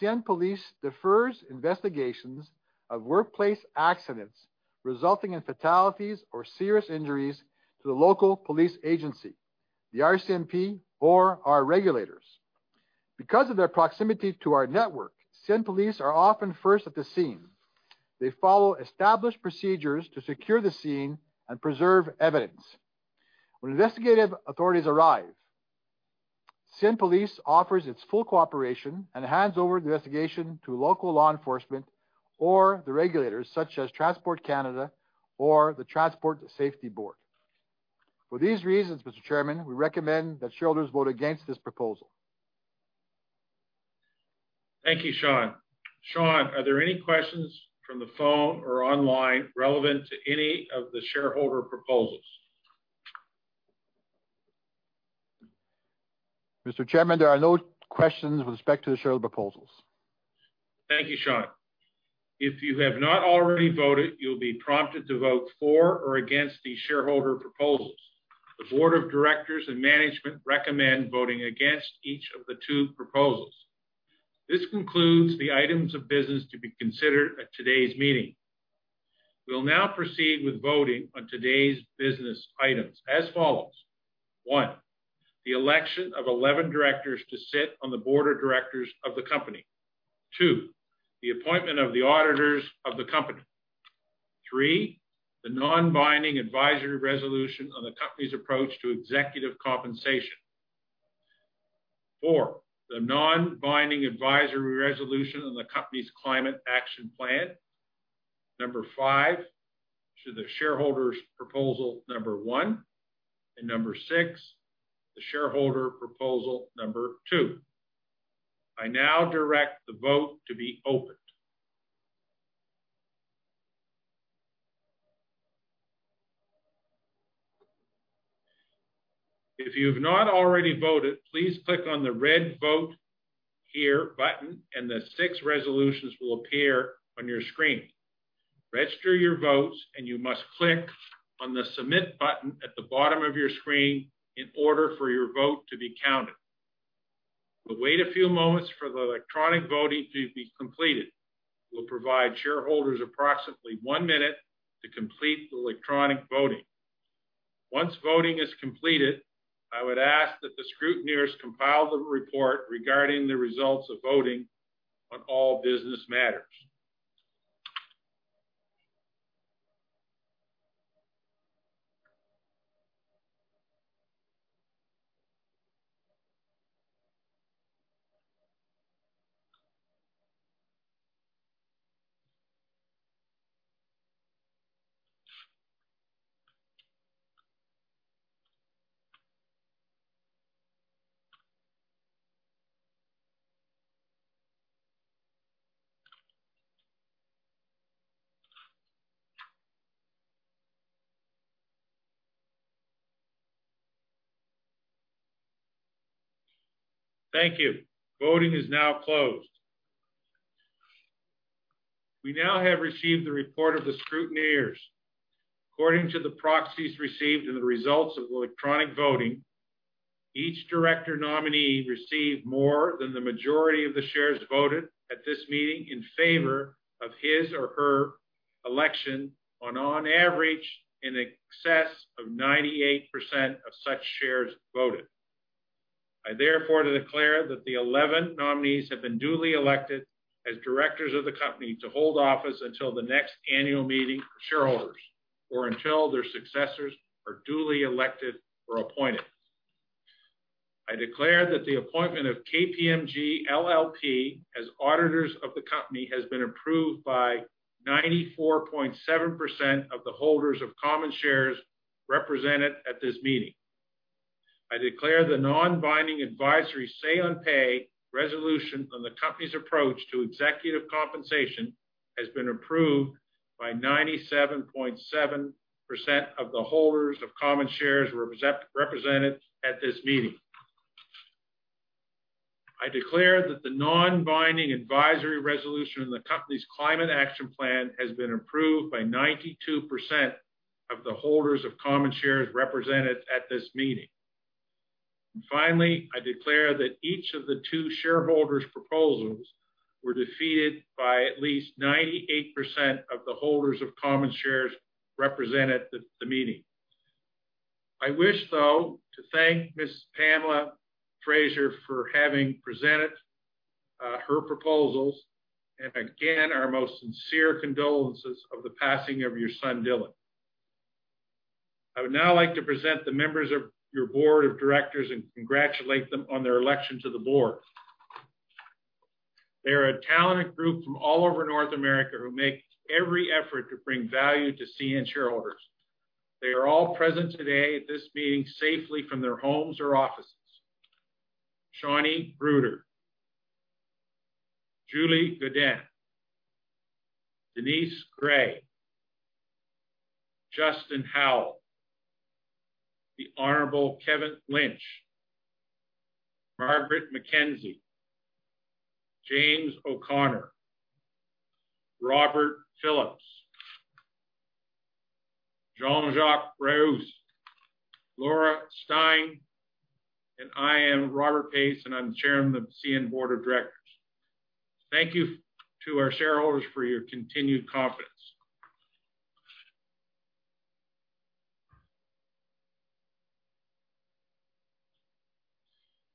CN police defers investigations of workplace accidents resulting in fatalities or serious injuries to the local police agency, the RCMP, or our regulators. Because of their proximity to our network, CN Police are often first at the scene. They follow established procedures to secure the scene and preserve evidence. When investigative authorities arrive, CN Police offers its full cooperation and hands over the investigation to local law enforcement or the regulators such as Transport Canada or the Transportation Safety Board. For these reasons, Mr. Chairman, we recommend that shareholders vote against this proposal. Thank you, Sean. Sean, are there any questions from the phone or online relevant to any of the shareholder proposals? Mr. Chairman, there are no questions with respect to the shareholder proposals. Thank you, Sean. If you have not already voted, you'll be prompted to vote for or against the shareholder proposals. The Board of Directors and management recommend voting against each of the two proposals. This concludes the items of business to be considered at today's meeting. We will now proceed with voting on today's business items as follows. One, the election of 11 directors to sit on the Board of Directors of the company. Two, the appointment of the auditors of the company. Three, the non-binding advisory resolution on the company's approach to executive compensation. Four, the non-binding advisory resolution on the company's Climate Action Plan. Number five, to the shareholders proposal number one. Number six, the shareholder proposal number two. I now direct the vote to be opened. If you've not already voted, please click on the red Vote Here button, and the six resolutions will appear on your screen. Register your votes, and you must click on the Submit button at the bottom of your screen in order for your vote to be counted. We'll wait a few moments for the electronic voting to be completed. We'll provide shareholders approximately one minute to complete the electronic voting. Once voting is completed, I would ask that the scrutineers compile the report regarding the results of voting on all business matters. Thank you. Voting is now closed. We now have received the report of the scrutineers. According to the proxies received and the results of electronic voting, each director nominee received more than the majority of the shares voted at this meeting in favor of his or her election on average, in excess of 98% of such shares voted. I therefore declare that the 11 nominees have been duly elected as directors of the company to hold office until the next annual meeting of shareholders or until their successors are duly elected or appointed. I declare that the appointment of KPMG LLP as auditors of the company has been approved by 94.7% of the holders of common shares represented at this meeting. I declare the non-binding, advisory say on pay resolution on the company's approach to executive compensation has been approved by 97.7% of the holders of common shares represented at this meeting. I declare that the non-binding advisory resolution on the company's Climate Action Plan has been approved by 92% of the holders of common shares represented at this meeting. Finally, I declare that each of the two shareholders' proposals were defeated by at least 98% of the holders of common shares represented at the meeting. I wish, though, to thank Ms. Pamela Fraser for having presented her proposals. Again, our most sincere condolences of the passing of your son, Dylan. I would now like to present the members of your Board of Directors and congratulate them on their election to the board. They are a talented group from all over North America who make every effort to bring value to CN shareholders. They are all present today at this meeting safely from their homes or offices. Shauneen Bruder, Julie Godin, Denise Gray, Justin Howell, The Honorable Kevin Lynch, Margaret McKenzie, James O'Connor, Robert Phillips, Jean-Jacques Ruest, Laura Stein, and I am Robert Pace, and I'm Chairman of the CN Board of Directors. Thank you to our shareholders for your continued confidence.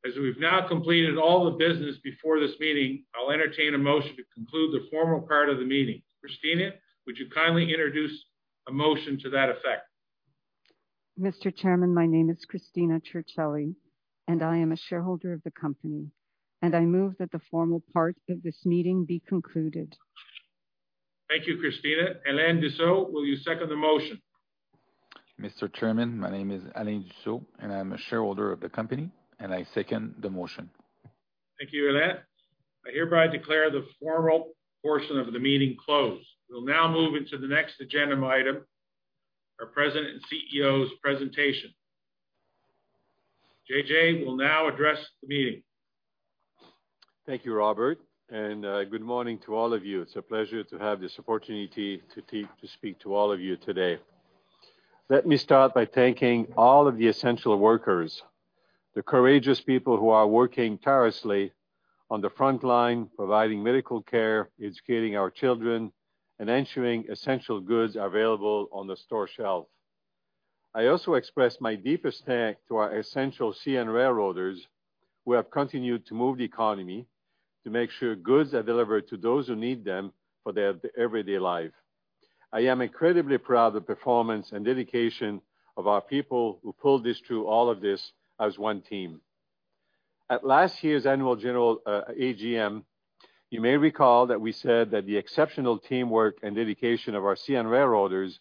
As we've now completed all the business before this meeting, I'll entertain a motion to conclude the formal part of the meeting. Cristina, would you kindly introduce a motion to that effect? Mr. Chairman, my name is Cristina Circelli, and I am a shareholder of the company, and I move that the formal part of this meeting be concluded. Thank you, Cristina. Alain Dussault, will you second the motion? Mr. Chairman, my name is Alain Dussault, and I'm a shareholder of the company, and I second the motion. Thank you, Alain. I hereby declare the formal portion of the meeting closed. We'll now move into the next agenda item, our President and CEO's presentation. JJ will now address the meeting. Thank you, Robert, and good morning to all of you. It's a pleasure to have this opportunity to speak to all of you today. Let me start by thanking all of the essential workers, the courageous people who are working tirelessly on the front line providing medical care, educating our children, and ensuring essential goods are available on the store shelf. I also express my deepest thanks to our essential CN railroaders, who have continued to move the economy to make sure goods are delivered to those who need them for their everyday life. I am incredibly proud of the performance and dedication of our people who pulled this through, all of this, as one team. At last year's annual general AGM, you may recall that we said that the exceptional teamwork and dedication of our CN railroaders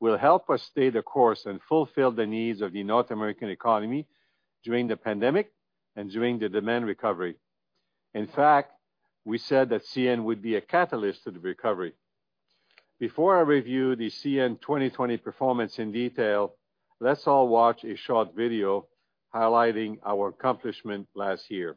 will help us stay the course and fulfill the needs of the North American economy during the pandemic and during the demand recovery. In fact, we said that CN would be a catalyst to the recovery. Before I review the CN 2020 performance in detail, let's all watch a short video highlighting our accomplishment last year.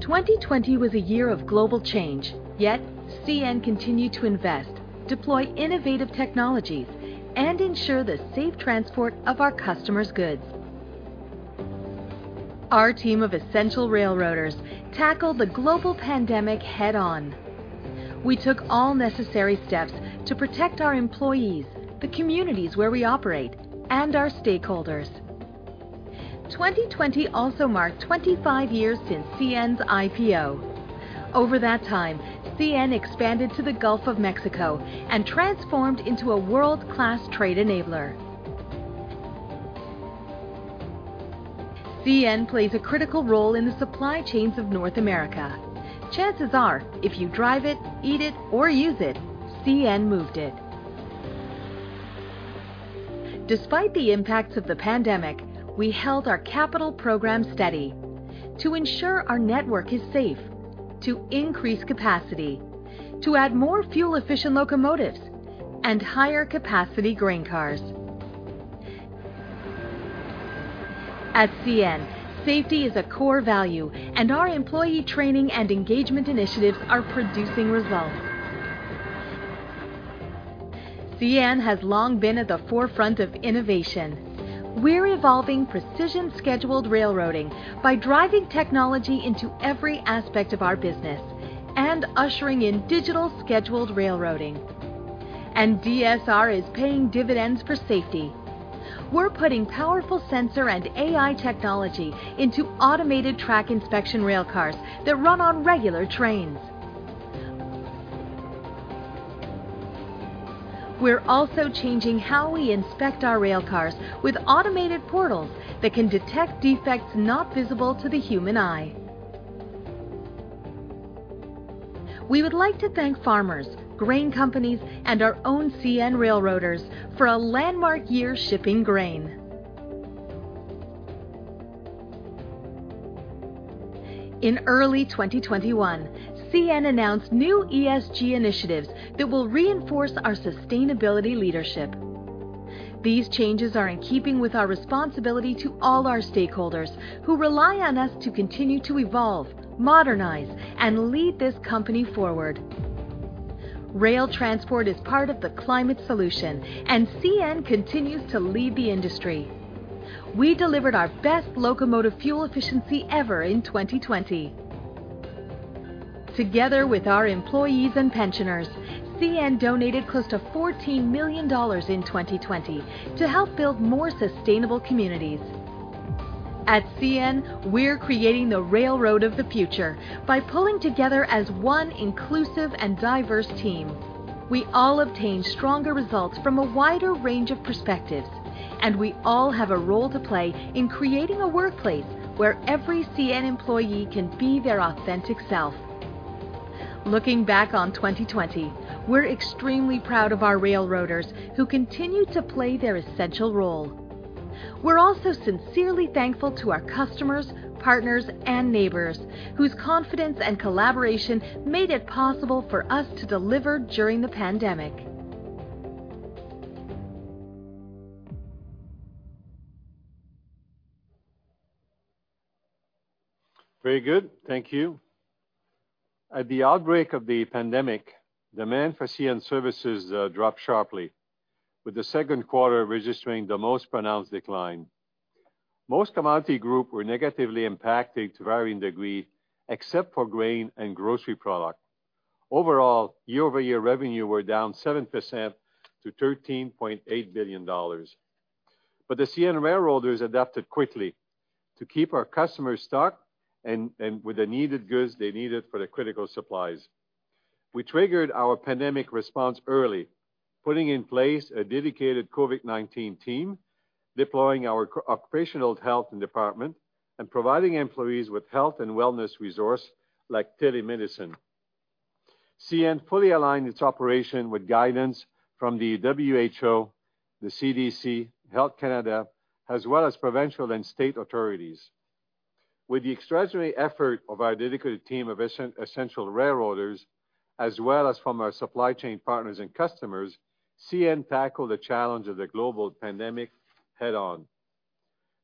2020 was a year of global change, yet CN continued to invest, deploy innovative technologies, and ensure the safe transport of our customers' goods. Our team of essential railroaders tackled the global pandemic head-on. We took all necessary steps to protect our employees, the communities where we operate, and our stakeholders. 2020 also marked 25 years since CN's IPO. Over that time, CN expanded to the Gulf of Mexico and transformed into a world-class trade enabler. CN plays a critical role in the supply chains of North America. Chances are, if you drive it, eat it, or use it, CN moved it. Despite the impacts of the pandemic, we held our capital program steady to ensure our network is safe, to increase capacity, to add more fuel-efficient locomotives, and higher capacity grain cars. At CN, safety is a core value, and our employee training and engagement initiatives are producing results. CN has long been at the forefront of innovation. We're evolving Precision Scheduled Railroading by driving technology into every aspect of our business and ushering in digital scheduled railroading. DSR is paying dividends for safety. We're putting powerful sensor and AI technology into automated track inspection rail cars that run on regular trains. We're also changing how we inspect our rail cars with automated portals that can detect defects not visible to the human eye. We would like to thank farmers, grain companies, and our own CN railroaders for a landmark year shipping grain. In early 2021, CN announced new ESG initiatives that will reinforce our sustainability leadership. These changes are in keeping with our responsibility to all our stakeholders who rely on us to continue to evolve, modernize, and lead this company forward. Rail transport is part of the climate solution, and CN continues to lead the industry. We delivered our best locomotive fuel efficiency ever in 2020. Together with our employees and pensioners, CN donated close to 14 million dollars in 2020 to help build more sustainable communities. At CN, we're creating the railroad of the future by pulling together as one inclusive and diverse team. We all obtain stronger results from a wider range of perspectives, and we all have a role to play in creating a workplace where every CN employee can be their authentic self. Looking back on 2020, we're extremely proud of our railroaders who continue to play their essential role. We're also sincerely thankful to our customers, partners, and neighbors whose confidence and collaboration made it possible for us to deliver during the pandemic. Very good. Thank you. At the outbreak of the pandemic, demand for CN services dropped sharply, with the second quarter registering the most pronounced decline. Most commodity group were negatively impacted to varying degree, except for grain and grocery product. Overall, year-over-year revenue were down 7% to 13.8 billion dollars. The CN railroaders adapted quickly to keep our customers stocked and with the needed goods they needed for the critical supplies. We triggered our pandemic response early, putting in place a dedicated COVID-19 team, deploying our operational health department, and providing employees with health and wellness resource like telemedicine. CN fully aligned its operation with guidance from the WHO, the CDC, Health Canada, as well as provincial and state authorities. With the extraordinary effort of our dedicated team of essential railroaders, as well as from our supply chain partners and customers, CN tackled the challenge of the global pandemic head on.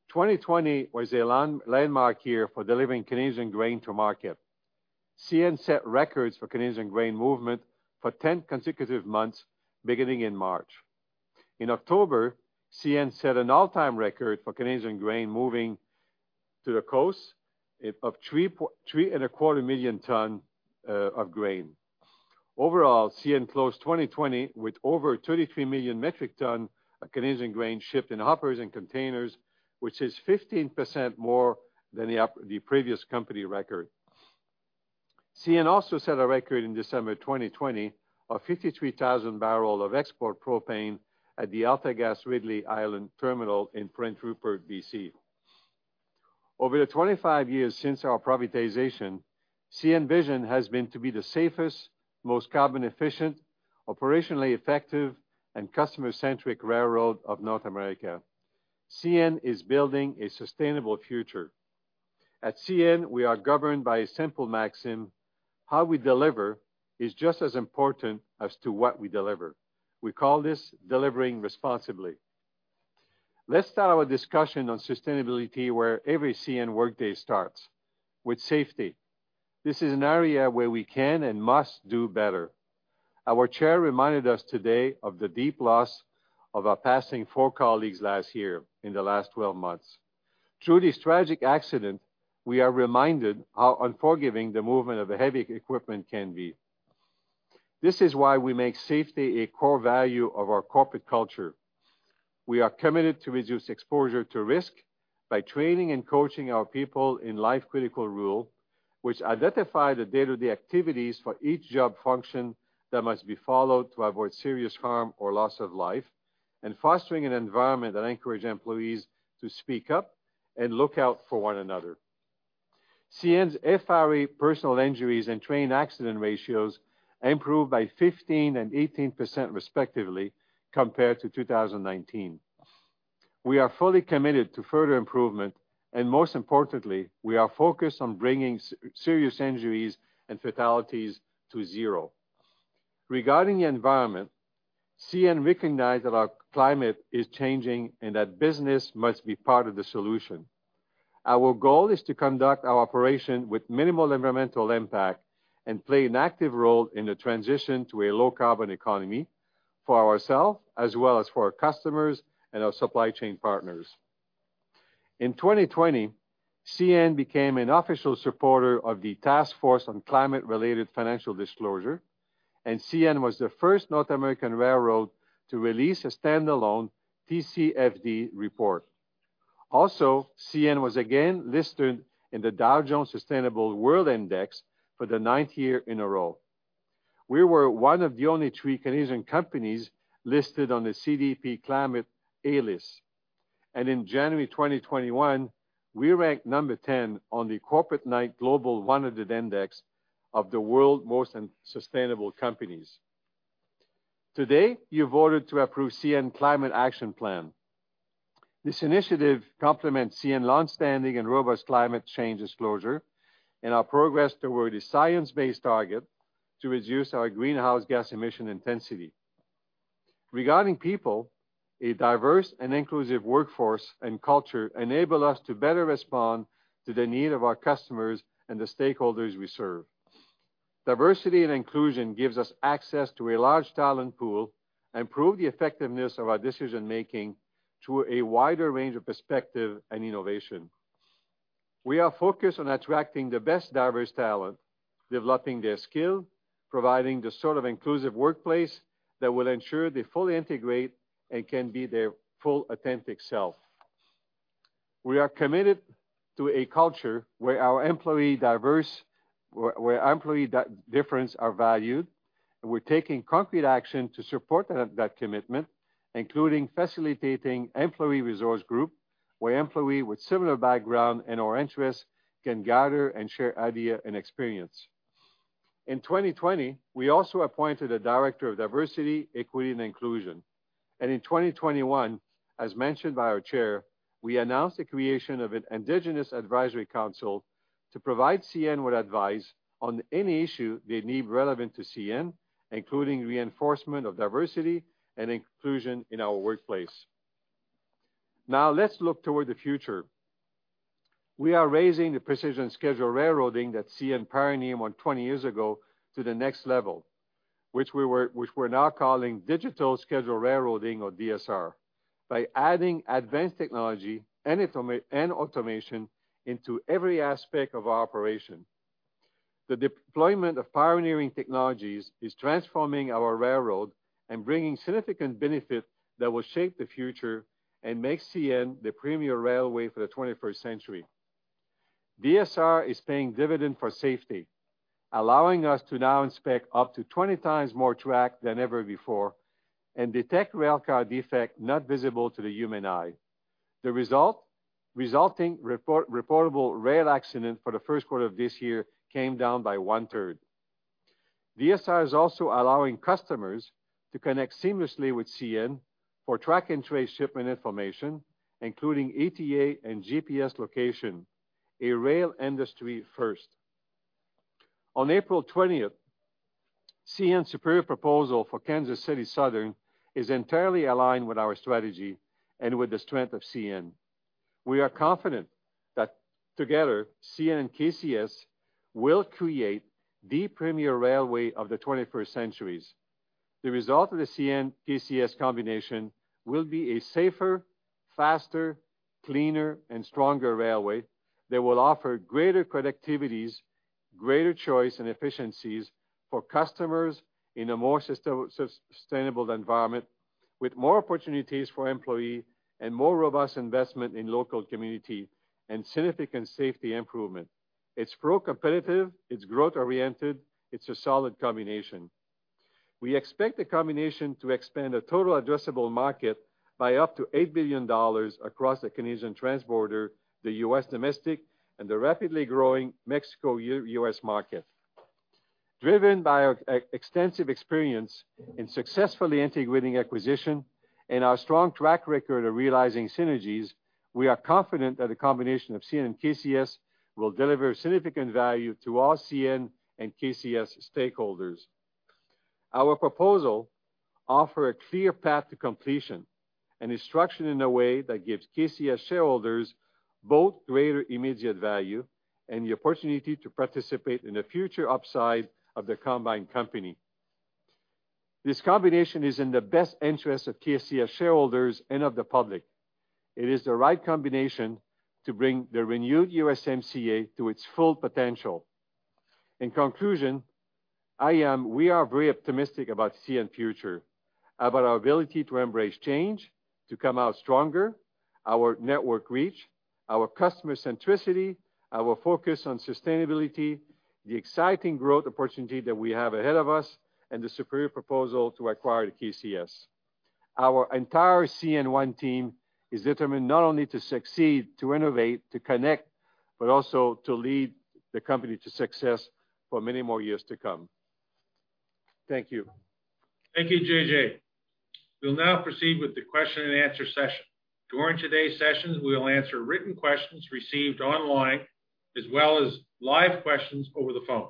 2020 was a landmark year for delivering Canadian grain to market. CN set records for Canadian grain movement for 10 consecutive months, beginning in March. In October, CN set an all-time record for Canadian grain moving to the coast of three and a quarter million ton of grain. Overall, CN closed 2020 with over 33 million metric ton of Canadian grain shipped in hoppers and containers, which is 15% more than the previous company record. CN also set a record in December 2020 of 53,000 barrel of export propane at the AltaGas Ridley Island Terminal in Prince Rupert, B.C. Over the 25 years since our privatization, CN's vision has been to be the safest, most carbon-efficient, operationally effective, and customer-centric railroad of North America. CN is building a sustainable future. At CN, we are governed by a simple maxim: how we deliver is just as important as to what we deliver. We call this delivering responsibly. Let's start our discussion on sustainability where every CN workday starts, with safety. This is an area where we can and must do better. Our Chair reminded us today of the deep loss of our passing four colleagues last year in the last 12 months. Through this tragic accident, we are reminded how unforgiving the movement of heavy equipment can be. This is why we make safety a core value of our corporate culture. We are committed to reduce exposure to risk by training and coaching our people in life-critical rule, which identify the day-to-day activities for each job function that must be followed to avoid serious harm or loss of life, and fostering an environment that encourage employees to speak up and look out for one another. CN's FRA personal injuries and train accident ratios improved by 15% and 18% respectively compared to 2019. Most importantly, we are focused on bringing serious injuries and fatalities to zero. Regarding the environment, CN recognize that our climate is changing and that business must be part of the solution. Our goal is to conduct our operation with minimal environmental impact and play an active role in the transition to a low-carbon economy for ourself, as well as for our customers and our supply chain partners. In 2020, CN became an official supporter of the Task Force on Climate-related Financial Disclosures. CN was the first North American railroad to release a standalone TCFD report. CN was again listed in the Dow Jones Sustainability World Index for the ninth year in a row. We were one of the only three Canadian companies listed on the CDP Climate Change A List. In January 2021, we ranked number 10 on the Corporate Knights Global 100 Index of the world's most sustainable companies. Today, you voted to approve CN Climate Action Plan. This initiative complements CN longstanding and robust climate change disclosure and our progress toward a science-based target to reduce our greenhouse gas emission intensity. Regarding people, a diverse and inclusive workforce and culture enable us to better respond to the need of our customers and the stakeholders we serve. Diversity and inclusion gives us access to a large talent pool and prove the effectiveness of our decision-making to a wider range of perspective and innovation. We are focused on attracting the best diverse talent, developing their skill, providing the sort of inclusive workplace that will ensure they fully integrate and can be their full authentic self. We are committed to a culture where employee difference are valued. We're taking concrete action to support that commitment, including facilitating employee resource group where employee with similar background and/or interests can gather and share idea and experience. In 2020, we also appointed a director of diversity, equity, and inclusion. In 2021, as mentioned by our chair, we announced the creation of an Indigenous Advisory Council to provide CN with advice on any issue they deem relevant to CN, including reinforcement of diversity and inclusion in our workplace. Let's look toward the future. We are raising the Precision Scheduled Railroading that CN pioneered 20 years ago to the next level, which we're now calling digital scheduled railroading or DSR, by adding advanced technology and automation into every aspect of our operation. The deployment of pioneering technologies is transforming our railroad and bringing significant benefit that will shape the future and make CN the premier railway for the 21st century. DSR is paying dividend for safety, allowing us to now inspect up to 20x more track than ever before and detect rail car defect not visible to the human eye. The resulting reportable rail accident for the first quarter of this year came down by one-third. DSR is also allowing customers to connect seamlessly with CN for track and trace shipment information, including ETA and GPS location, a rail industry first. On April 20th, CN superior proposal for Kansas City Southern is entirely aligned with our strategy and with the strength of CN. We are confident that together, CN and KCS will create the premier railway of the 21st centuries. The result of the CN-KCS combination will be a safer, faster, cleaner, and stronger railway that will offer greater productivities, greater choice and efficiencies for customers in a more sustainable environment. With more opportunities for employee and more robust investment in local community and significant safety improvement. It's pro-competitive, it's growth oriented, it's a solid combination. We expect the combination to expand the total addressable market by up to $8 billion across the Canadian transborder, the U.S. domestic, and the rapidly growing Mexico-U.S. market. Driven by our extensive experience in successfully integrating acquisition and our strong track record of realizing synergies, we are confident that the combination of CN and KCS will deliver significant value to all CN and KCS stakeholders. Our proposal offer a clear path to completion and is structured in a way that gives KCS shareholders both greater immediate value and the opportunity to participate in the future upside of the combined company. This combination is in the best interest of KCS shareholders and of the public. It is the right combination to bring the renewed USMCA to its full potential. In conclusion, we are very optimistic about CN future, about our ability to embrace change, to come out stronger, our network reach, our customer centricity, our focus on sustainability, the exciting growth opportunity that we have ahead of us, and the superior proposal to acquire the KCS. Our entire CN one team is determined not only to succeed, to innovate, to connect, but also to lead the company to success for many more years to come. Thank you. Thank you, JJ. We'll now proceed with the question and answer session. During today's session, we'll answer written questions received online, as well as live questions over the phone.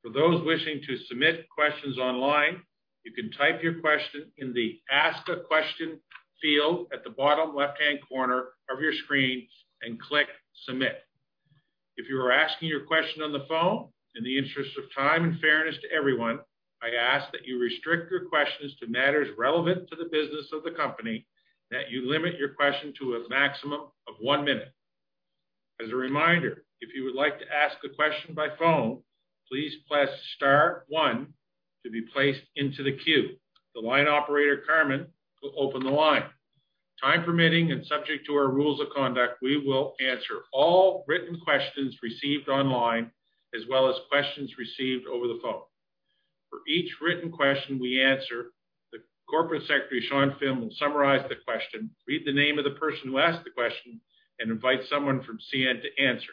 For those wishing to submit questions online, you can type your question in the Ask a Question field at the bottom left-hand corner of your screen and click Submit. If you are asking your question on the phone, in the interest of time and fairness to everyone, I ask that you restrict your questions to matters relevant to the business of the company, that you limit your question to a maximum of one minute. As a reminder, if you would like to ask a question by phone, please press star one to be placed into the queue. The line operator, Carmen, will open the line. Time permitting, and subject to our rules of conduct, we will answer all written questions received online, as well as questions received over the phone. For each written question we answer, the Corporate Secretary, Sean Finn, will summarize the question, read the name of the person who asked the question, and invite someone from CN to answer.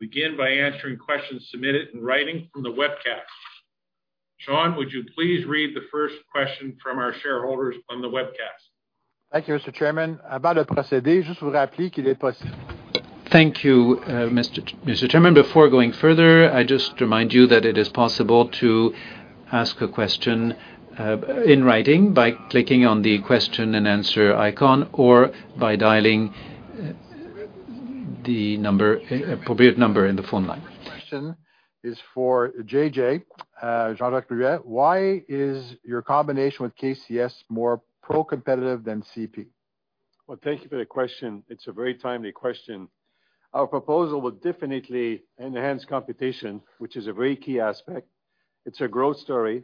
Begin by answering questions submitted in writing from the webcast. Sean, would you please read the first question from our shareholders on the webcast? Thank you, Mr. Chairman. Before going further, I just remind you that it is possible to ask a question in writing by clicking on the question and answer icon or by dialing the appropriate number in the phone line. Question is for JJ, Jean-Jacques Ruest. Why is your combination with KCS more pro-competitive than CP? Well, thank you for the question. It's a very timely question. Our proposal will definitely enhance competition, which is a very key aspect. It's a growth story.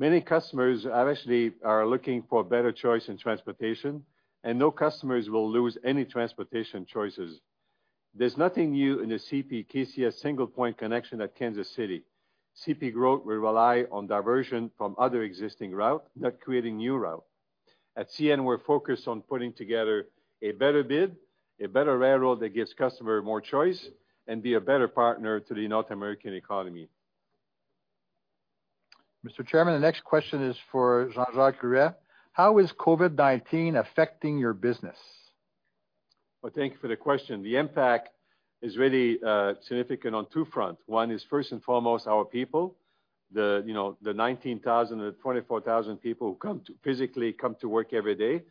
Many customers actually are looking for a better choice in transportation, and no customers will lose any transportation choices. There's nothing new in the CP KCS single point connection at Kansas City. CP growth will rely on diversion from other existing route, not creating new route. At CN, we're focused on putting together a better bid, a better railroad that gives customer more choice and be a better partner to the North American economy. Mr. Chairman, the next question is for Jean-Jacques Ruest. How is COVID-19 affecting your business? Thank you for the question. The impact is really significant on two fronts. One is first and foremost our people, the 19,000 of the 24,000 people who physically come to work every day,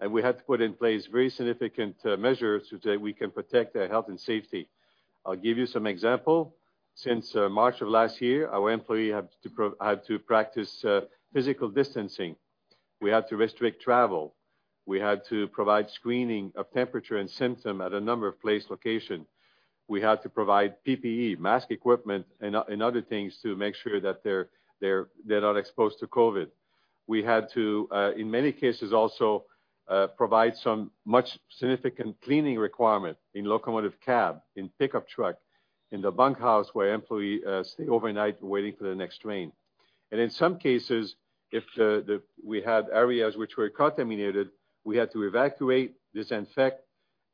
and we have to put in place very significant measures so that we can protect their health and safety. I'll give you some example. Since March of last year, our employee had to practice physical distancing. We had to restrict travel. We had to provide screening of temperature and symptom at a number of place location. We had to provide PPE, mask equipment, and other things to make sure that they're not exposed to COVID-19. We had to, in many cases also, provide some much significant cleaning requirement in locomotive cab, in pickup truck, in the bunk house where employee stay overnight waiting for the next train. In some cases, if we had areas which were contaminated, we had to evacuate, disinfect,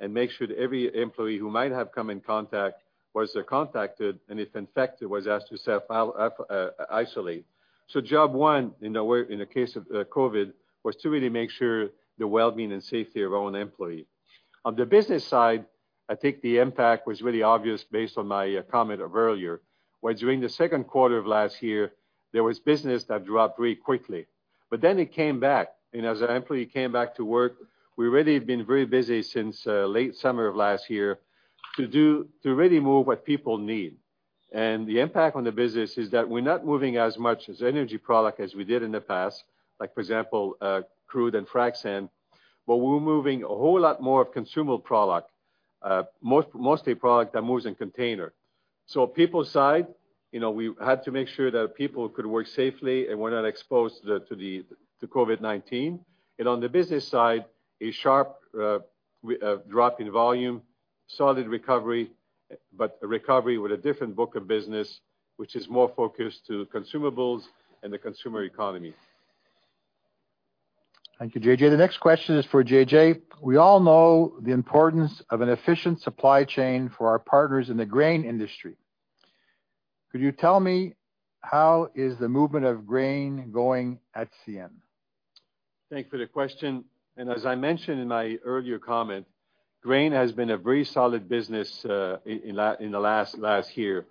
and make sure that every employee who might have come in contact was contacted, and if infected, was asked to self-isolate. Job one, in the case of COVID-19, was to really make sure the wellbeing and safety of our own employee. On the business side, I think the impact was really obvious based on my comment of earlier, where during the second quarter of last year, there was business that dropped very quickly, but then it came back. As our employee came back to work, we really have been very busy since late summer of last year to really move what people need. The impact on the business is that we're not moving as much energy product as we did in the past, like for example, crude and frac sand, but we're moving a whole lot more consumable product, mostly product that moves in container. People side, we had to make sure that people could work safely and were not exposed to COVID-19. On the business side, a sharp drop in volume, solid recovery, but a recovery with a different book of business, which is more focused to consumables and the consumer economy. Thank you, JJ. The next question is for JJ. We all know the importance of an efficient supply chain for our partners in the grain industry. Could you tell me how is the movement of grain going at CN? Thanks for the question. As I mentioned in my earlier comment, grain has been a very solid business in the last year.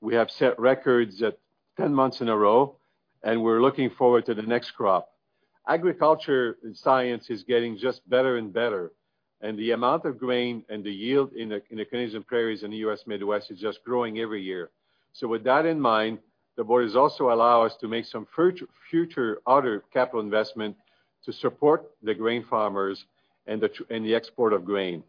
We have set records at 10 months in a row, and we're looking forward to the next crop. Agriculture and science is getting just better and better, and the amount of grain and the yield in the Canadian prairies and the U.S. Midwest is just growing every year. With that in mind, the board has also allow us to make some future other capital investment to support the grain farmers and the export of grain.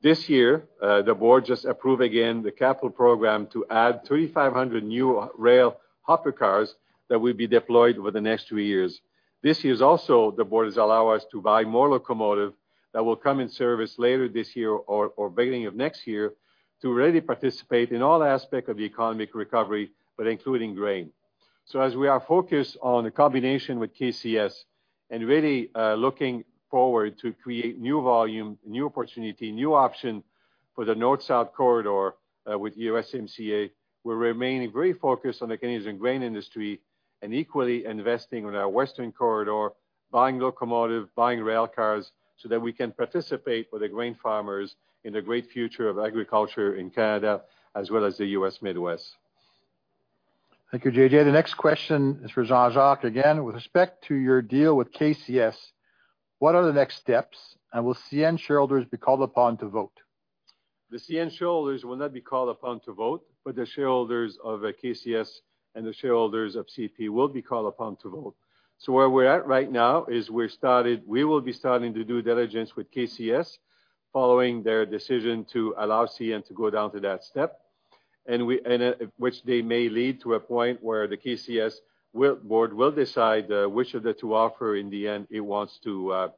This year, the board just approved again the capital program to add 3,500 new rail hopper cars that will be deployed over the next two years. This is also the board has allowed us to buy more locomotives that will come in service later this year or beginning of next year to really participate in all aspects of the economic recovery, but including grain. As we are focused on the combination with KCS and really looking forward to create new volume, new opportunity, new option for the North-South corridor with USMCA, we're remaining very focused on the Canadian grain industry and equally investing on our western corridor, buying locomotives, buying railcars, so that we can participate with the grain farmers in the great future of agriculture in Canada as well as the U.S. Midwest. Thank you, JJ. The next question is for Jean-Jacques. Again, with respect to your deal with KCS, what are the next steps, and will CN shareholders be called upon to vote? The CN shareholders will not be called upon to vote, but the shareholders of KCS and the shareholders of CP will be called upon to vote. Where we're at right now is we will be starting the due diligence with KCS following their decision to allow CN to go down to that step, which they may lead to a point where the KCS board will decide which of the two offer in the end it wants to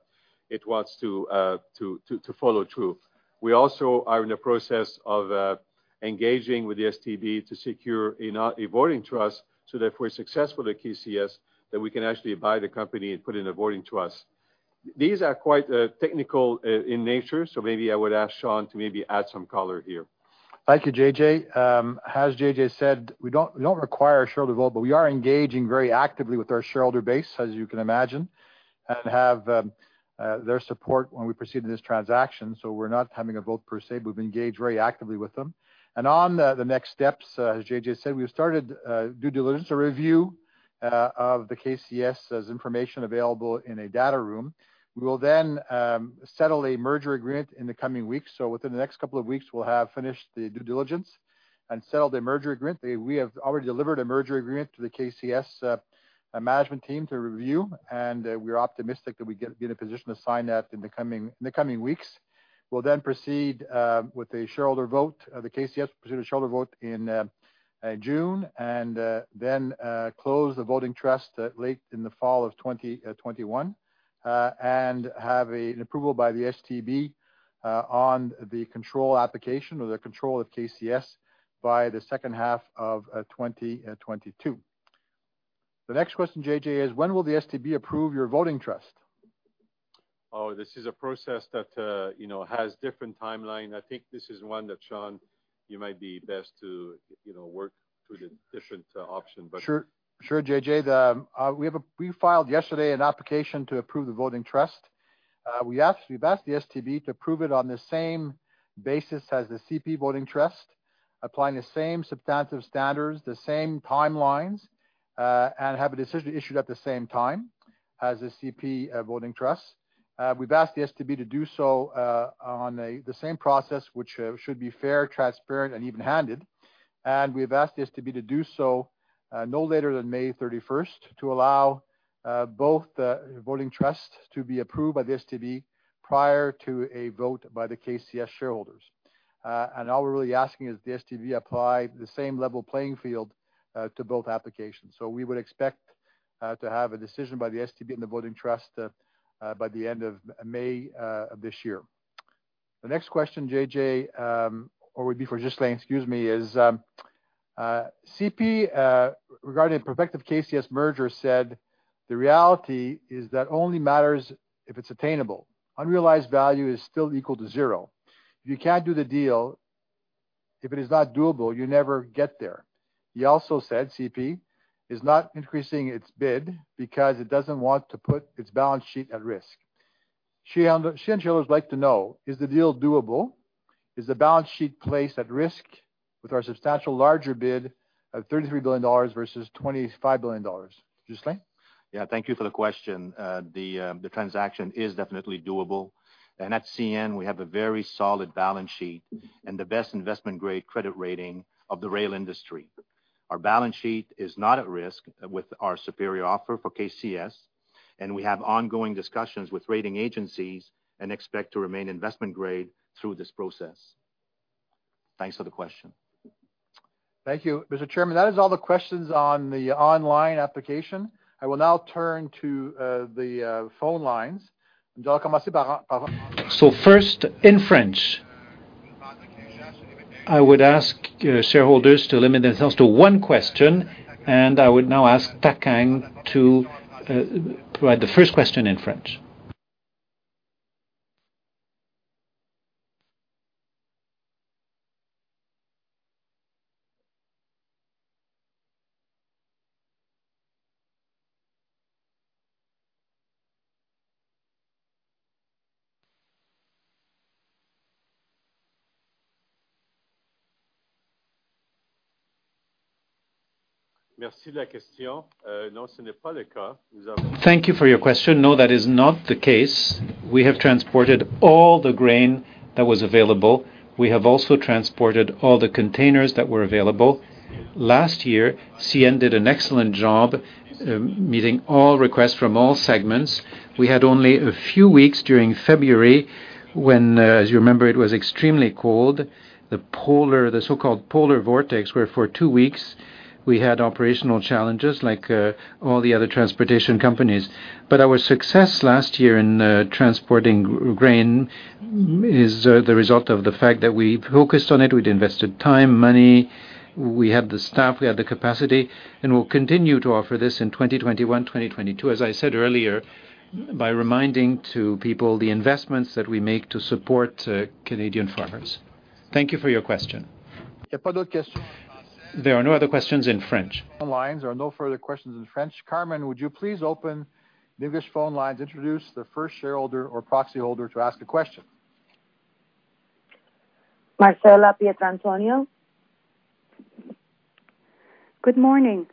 follow through. We also are in the process of engaging with the STB to secure a voting trust so that if we're successful at KCS, then we can actually buy the company and put in a voting trust. These are quite technical in nature, maybe I would ask Sean to maybe add some color here. Thank you, JJ. As JJ said, we don't require a shareholder vote, but we are engaging very actively with our shareholder base, as you can imagine, and have their support when we proceed in this transaction. We're not having a vote per se, but we've engaged very actively with them. On the next steps, as JJ said, we've started due diligence, a review of the KCS as information available in a data room. We will settle a merger agreement in the coming weeks. Within the next couple of weeks, we'll have finished the due diligence and settled a merger agreement. We have already delivered a merger agreement to the KCS management team to review, and we're optimistic that we get in a position to sign that in the coming weeks. We'll then proceed with a shareholder vote, the KCS proceeded a shareholder vote in June, and then close the voting trust late in the fall of 2021. Have an approval by the STB on the control application or the control of KCS by the second half of 2022. The next question, JJ, is when will the STB approve your voting trust? This is a process that has different timeline. I think this is one that, Sean, you might be best to work through the different option. Sure, JJ. We filed yesterday an application to approve the voting trust. We've asked the STB to approve it on the same basis as the CP voting trust, applying the same substantive standards, the same timelines, and have a decision issued at the same time as the CP voting trust. We've asked the STB to do so on the same process, which should be fair, transparent, and even-handed. We've asked the STB to do so no later than May 31st to allow both voting trust to be approved by the STB prior to a vote by the KCS shareholders. All we're really asking is the STB apply the same level playing field to both applications. We would expect to have a decision by the STB and the voting trust by the end of May of this year. The next question, JJ, or would be for Ghislain, excuse me, is CP, regarding prospective KCS merger, said, "The reality is that only matters if it's attainable. Unrealized value is still equal to zero. If you can't do the deal, if it is not doable, you never get there." He also said CP is not increasing its bid because it doesn't want to put its balance sheet at risk. CN shareholders like to know, is the deal doable? Is the balance sheet placed at risk with our substantial larger bid of 33 billion dollars versus 25 billion dollars? Ghislain? Yeah. Thank you for the question. The transaction is definitely doable. At CN, we have a very solid balance sheet and the best investment-grade credit rating of the rail industry. Our balance sheet is not at risk with our superior offer for KCS. We have ongoing discussions with rating agencies and expect to remain investment grade through this process. Thanks for the question. Thank you. Mr. Chairman, that is all the questions on the online application. I will now turn to the phone lines. First, in French. I would ask shareholders to limit themselves to one question, and I would now ask Carmen to provide the first question in French. Thank you for your question. No, that is not the case. We have transported all the grain that was available. We have also transported all the containers that were available. Last year, CN did an excellent job meeting all requests from all segments. We had only a few weeks during February when, as you remember, it was extremely cold, the so-called Polar Vortex, where for two weeks we had operational challenges like all the other transportation companies. Our success last year in transporting grain is the result of the fact that we focused on it. We'd invested time, money. We had the staff, we had the capacity, and we'll continue to offer this in 2021, 2022, as I said earlier, by reminding to people the investments that we make to support Canadian farmers. Thank you for your question. There are no other questions in French. Lines, there are no further questions in French. Carmen, would you please open the English phone lines, introduce the first shareholder or proxy holder to ask a question? Marcella Pietrantonio. Good morning,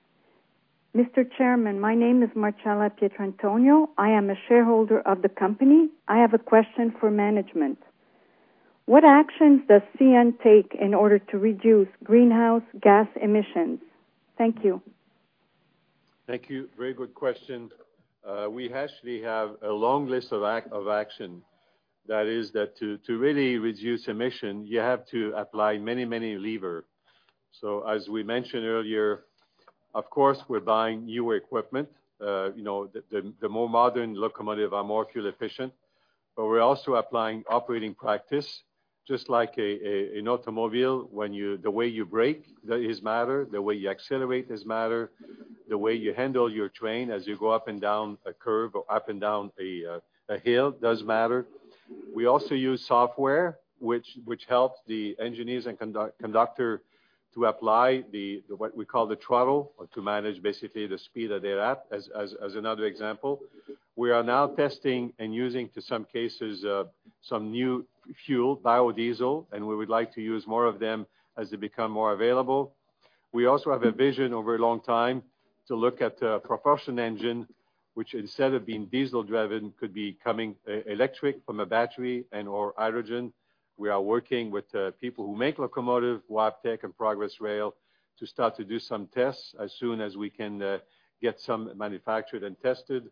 Mr. Chairman. My name is Marcella Pietrantonio. I am a shareholder of the company. I have a question for management. What actions does CN take in order to reduce greenhouse gas emissions? Thank you. Thank you. Very good question. We actually have a long list of actions. That is that to really reduce emissions, you have to apply many levers. As we mentioned earlier, of course, we're buying newer equipment. The more modern locomotives are more fuel efficient. We're also applying operating practices, just like an automobile, the way you brake does matter, the way you accelerate does matter, the way you handle your train as you go up and down a curve or up and down a hill does matter. We also use software which helps the engineers and conductors to apply what we call the throttle or to manage basically the speed that they're at, as another example. We are now testing and using, to some cases, some new fuel, biodiesel, and we would like to use more of them as they become more available. We also have a vision over a long time to look at a propulsion engine, which instead of being diesel-driven, could be coming electric from a battery and/or hydrogen. We are working with people who make locomotive, Wabtec and Progress Rail, to start to do some tests as soon as we can get some manufactured and tested,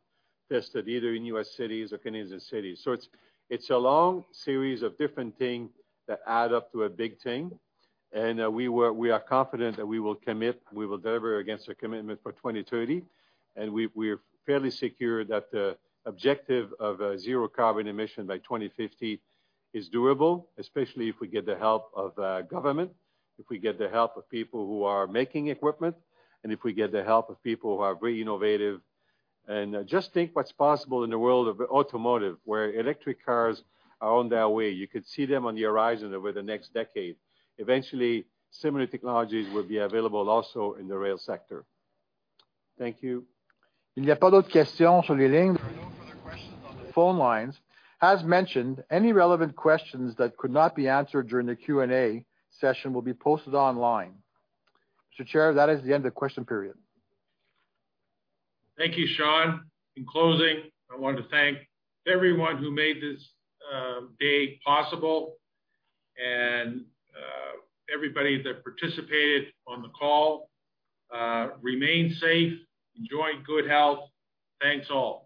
either in U.S. cities or Canadian cities. It's a long series of different thing that add up to a big thing, and we are confident that we will deliver against a commitment for 2030. We're fairly secure that the objective of zero carbon emission by 2050 is doable, especially if we get the help of government, if we get the help of people who are making equipment, and if we get the help of people who are very innovative. Just think what's possible in the world of automotive, where electric cars are on their way. You could see them on the horizon over the next decade. Eventually, similar technologies will be available also in the rail sector. Thank you. There are no further questions on the phone lines. As mentioned, any relevant questions that could not be answered during the Q&A session will be posted online. Mr. Chair, that is the end of question period. Thank you, Sean. In closing, I want to thank everyone who made this day possible and everybody that participated on the call. Remain safe, enjoy good health. Thanks all.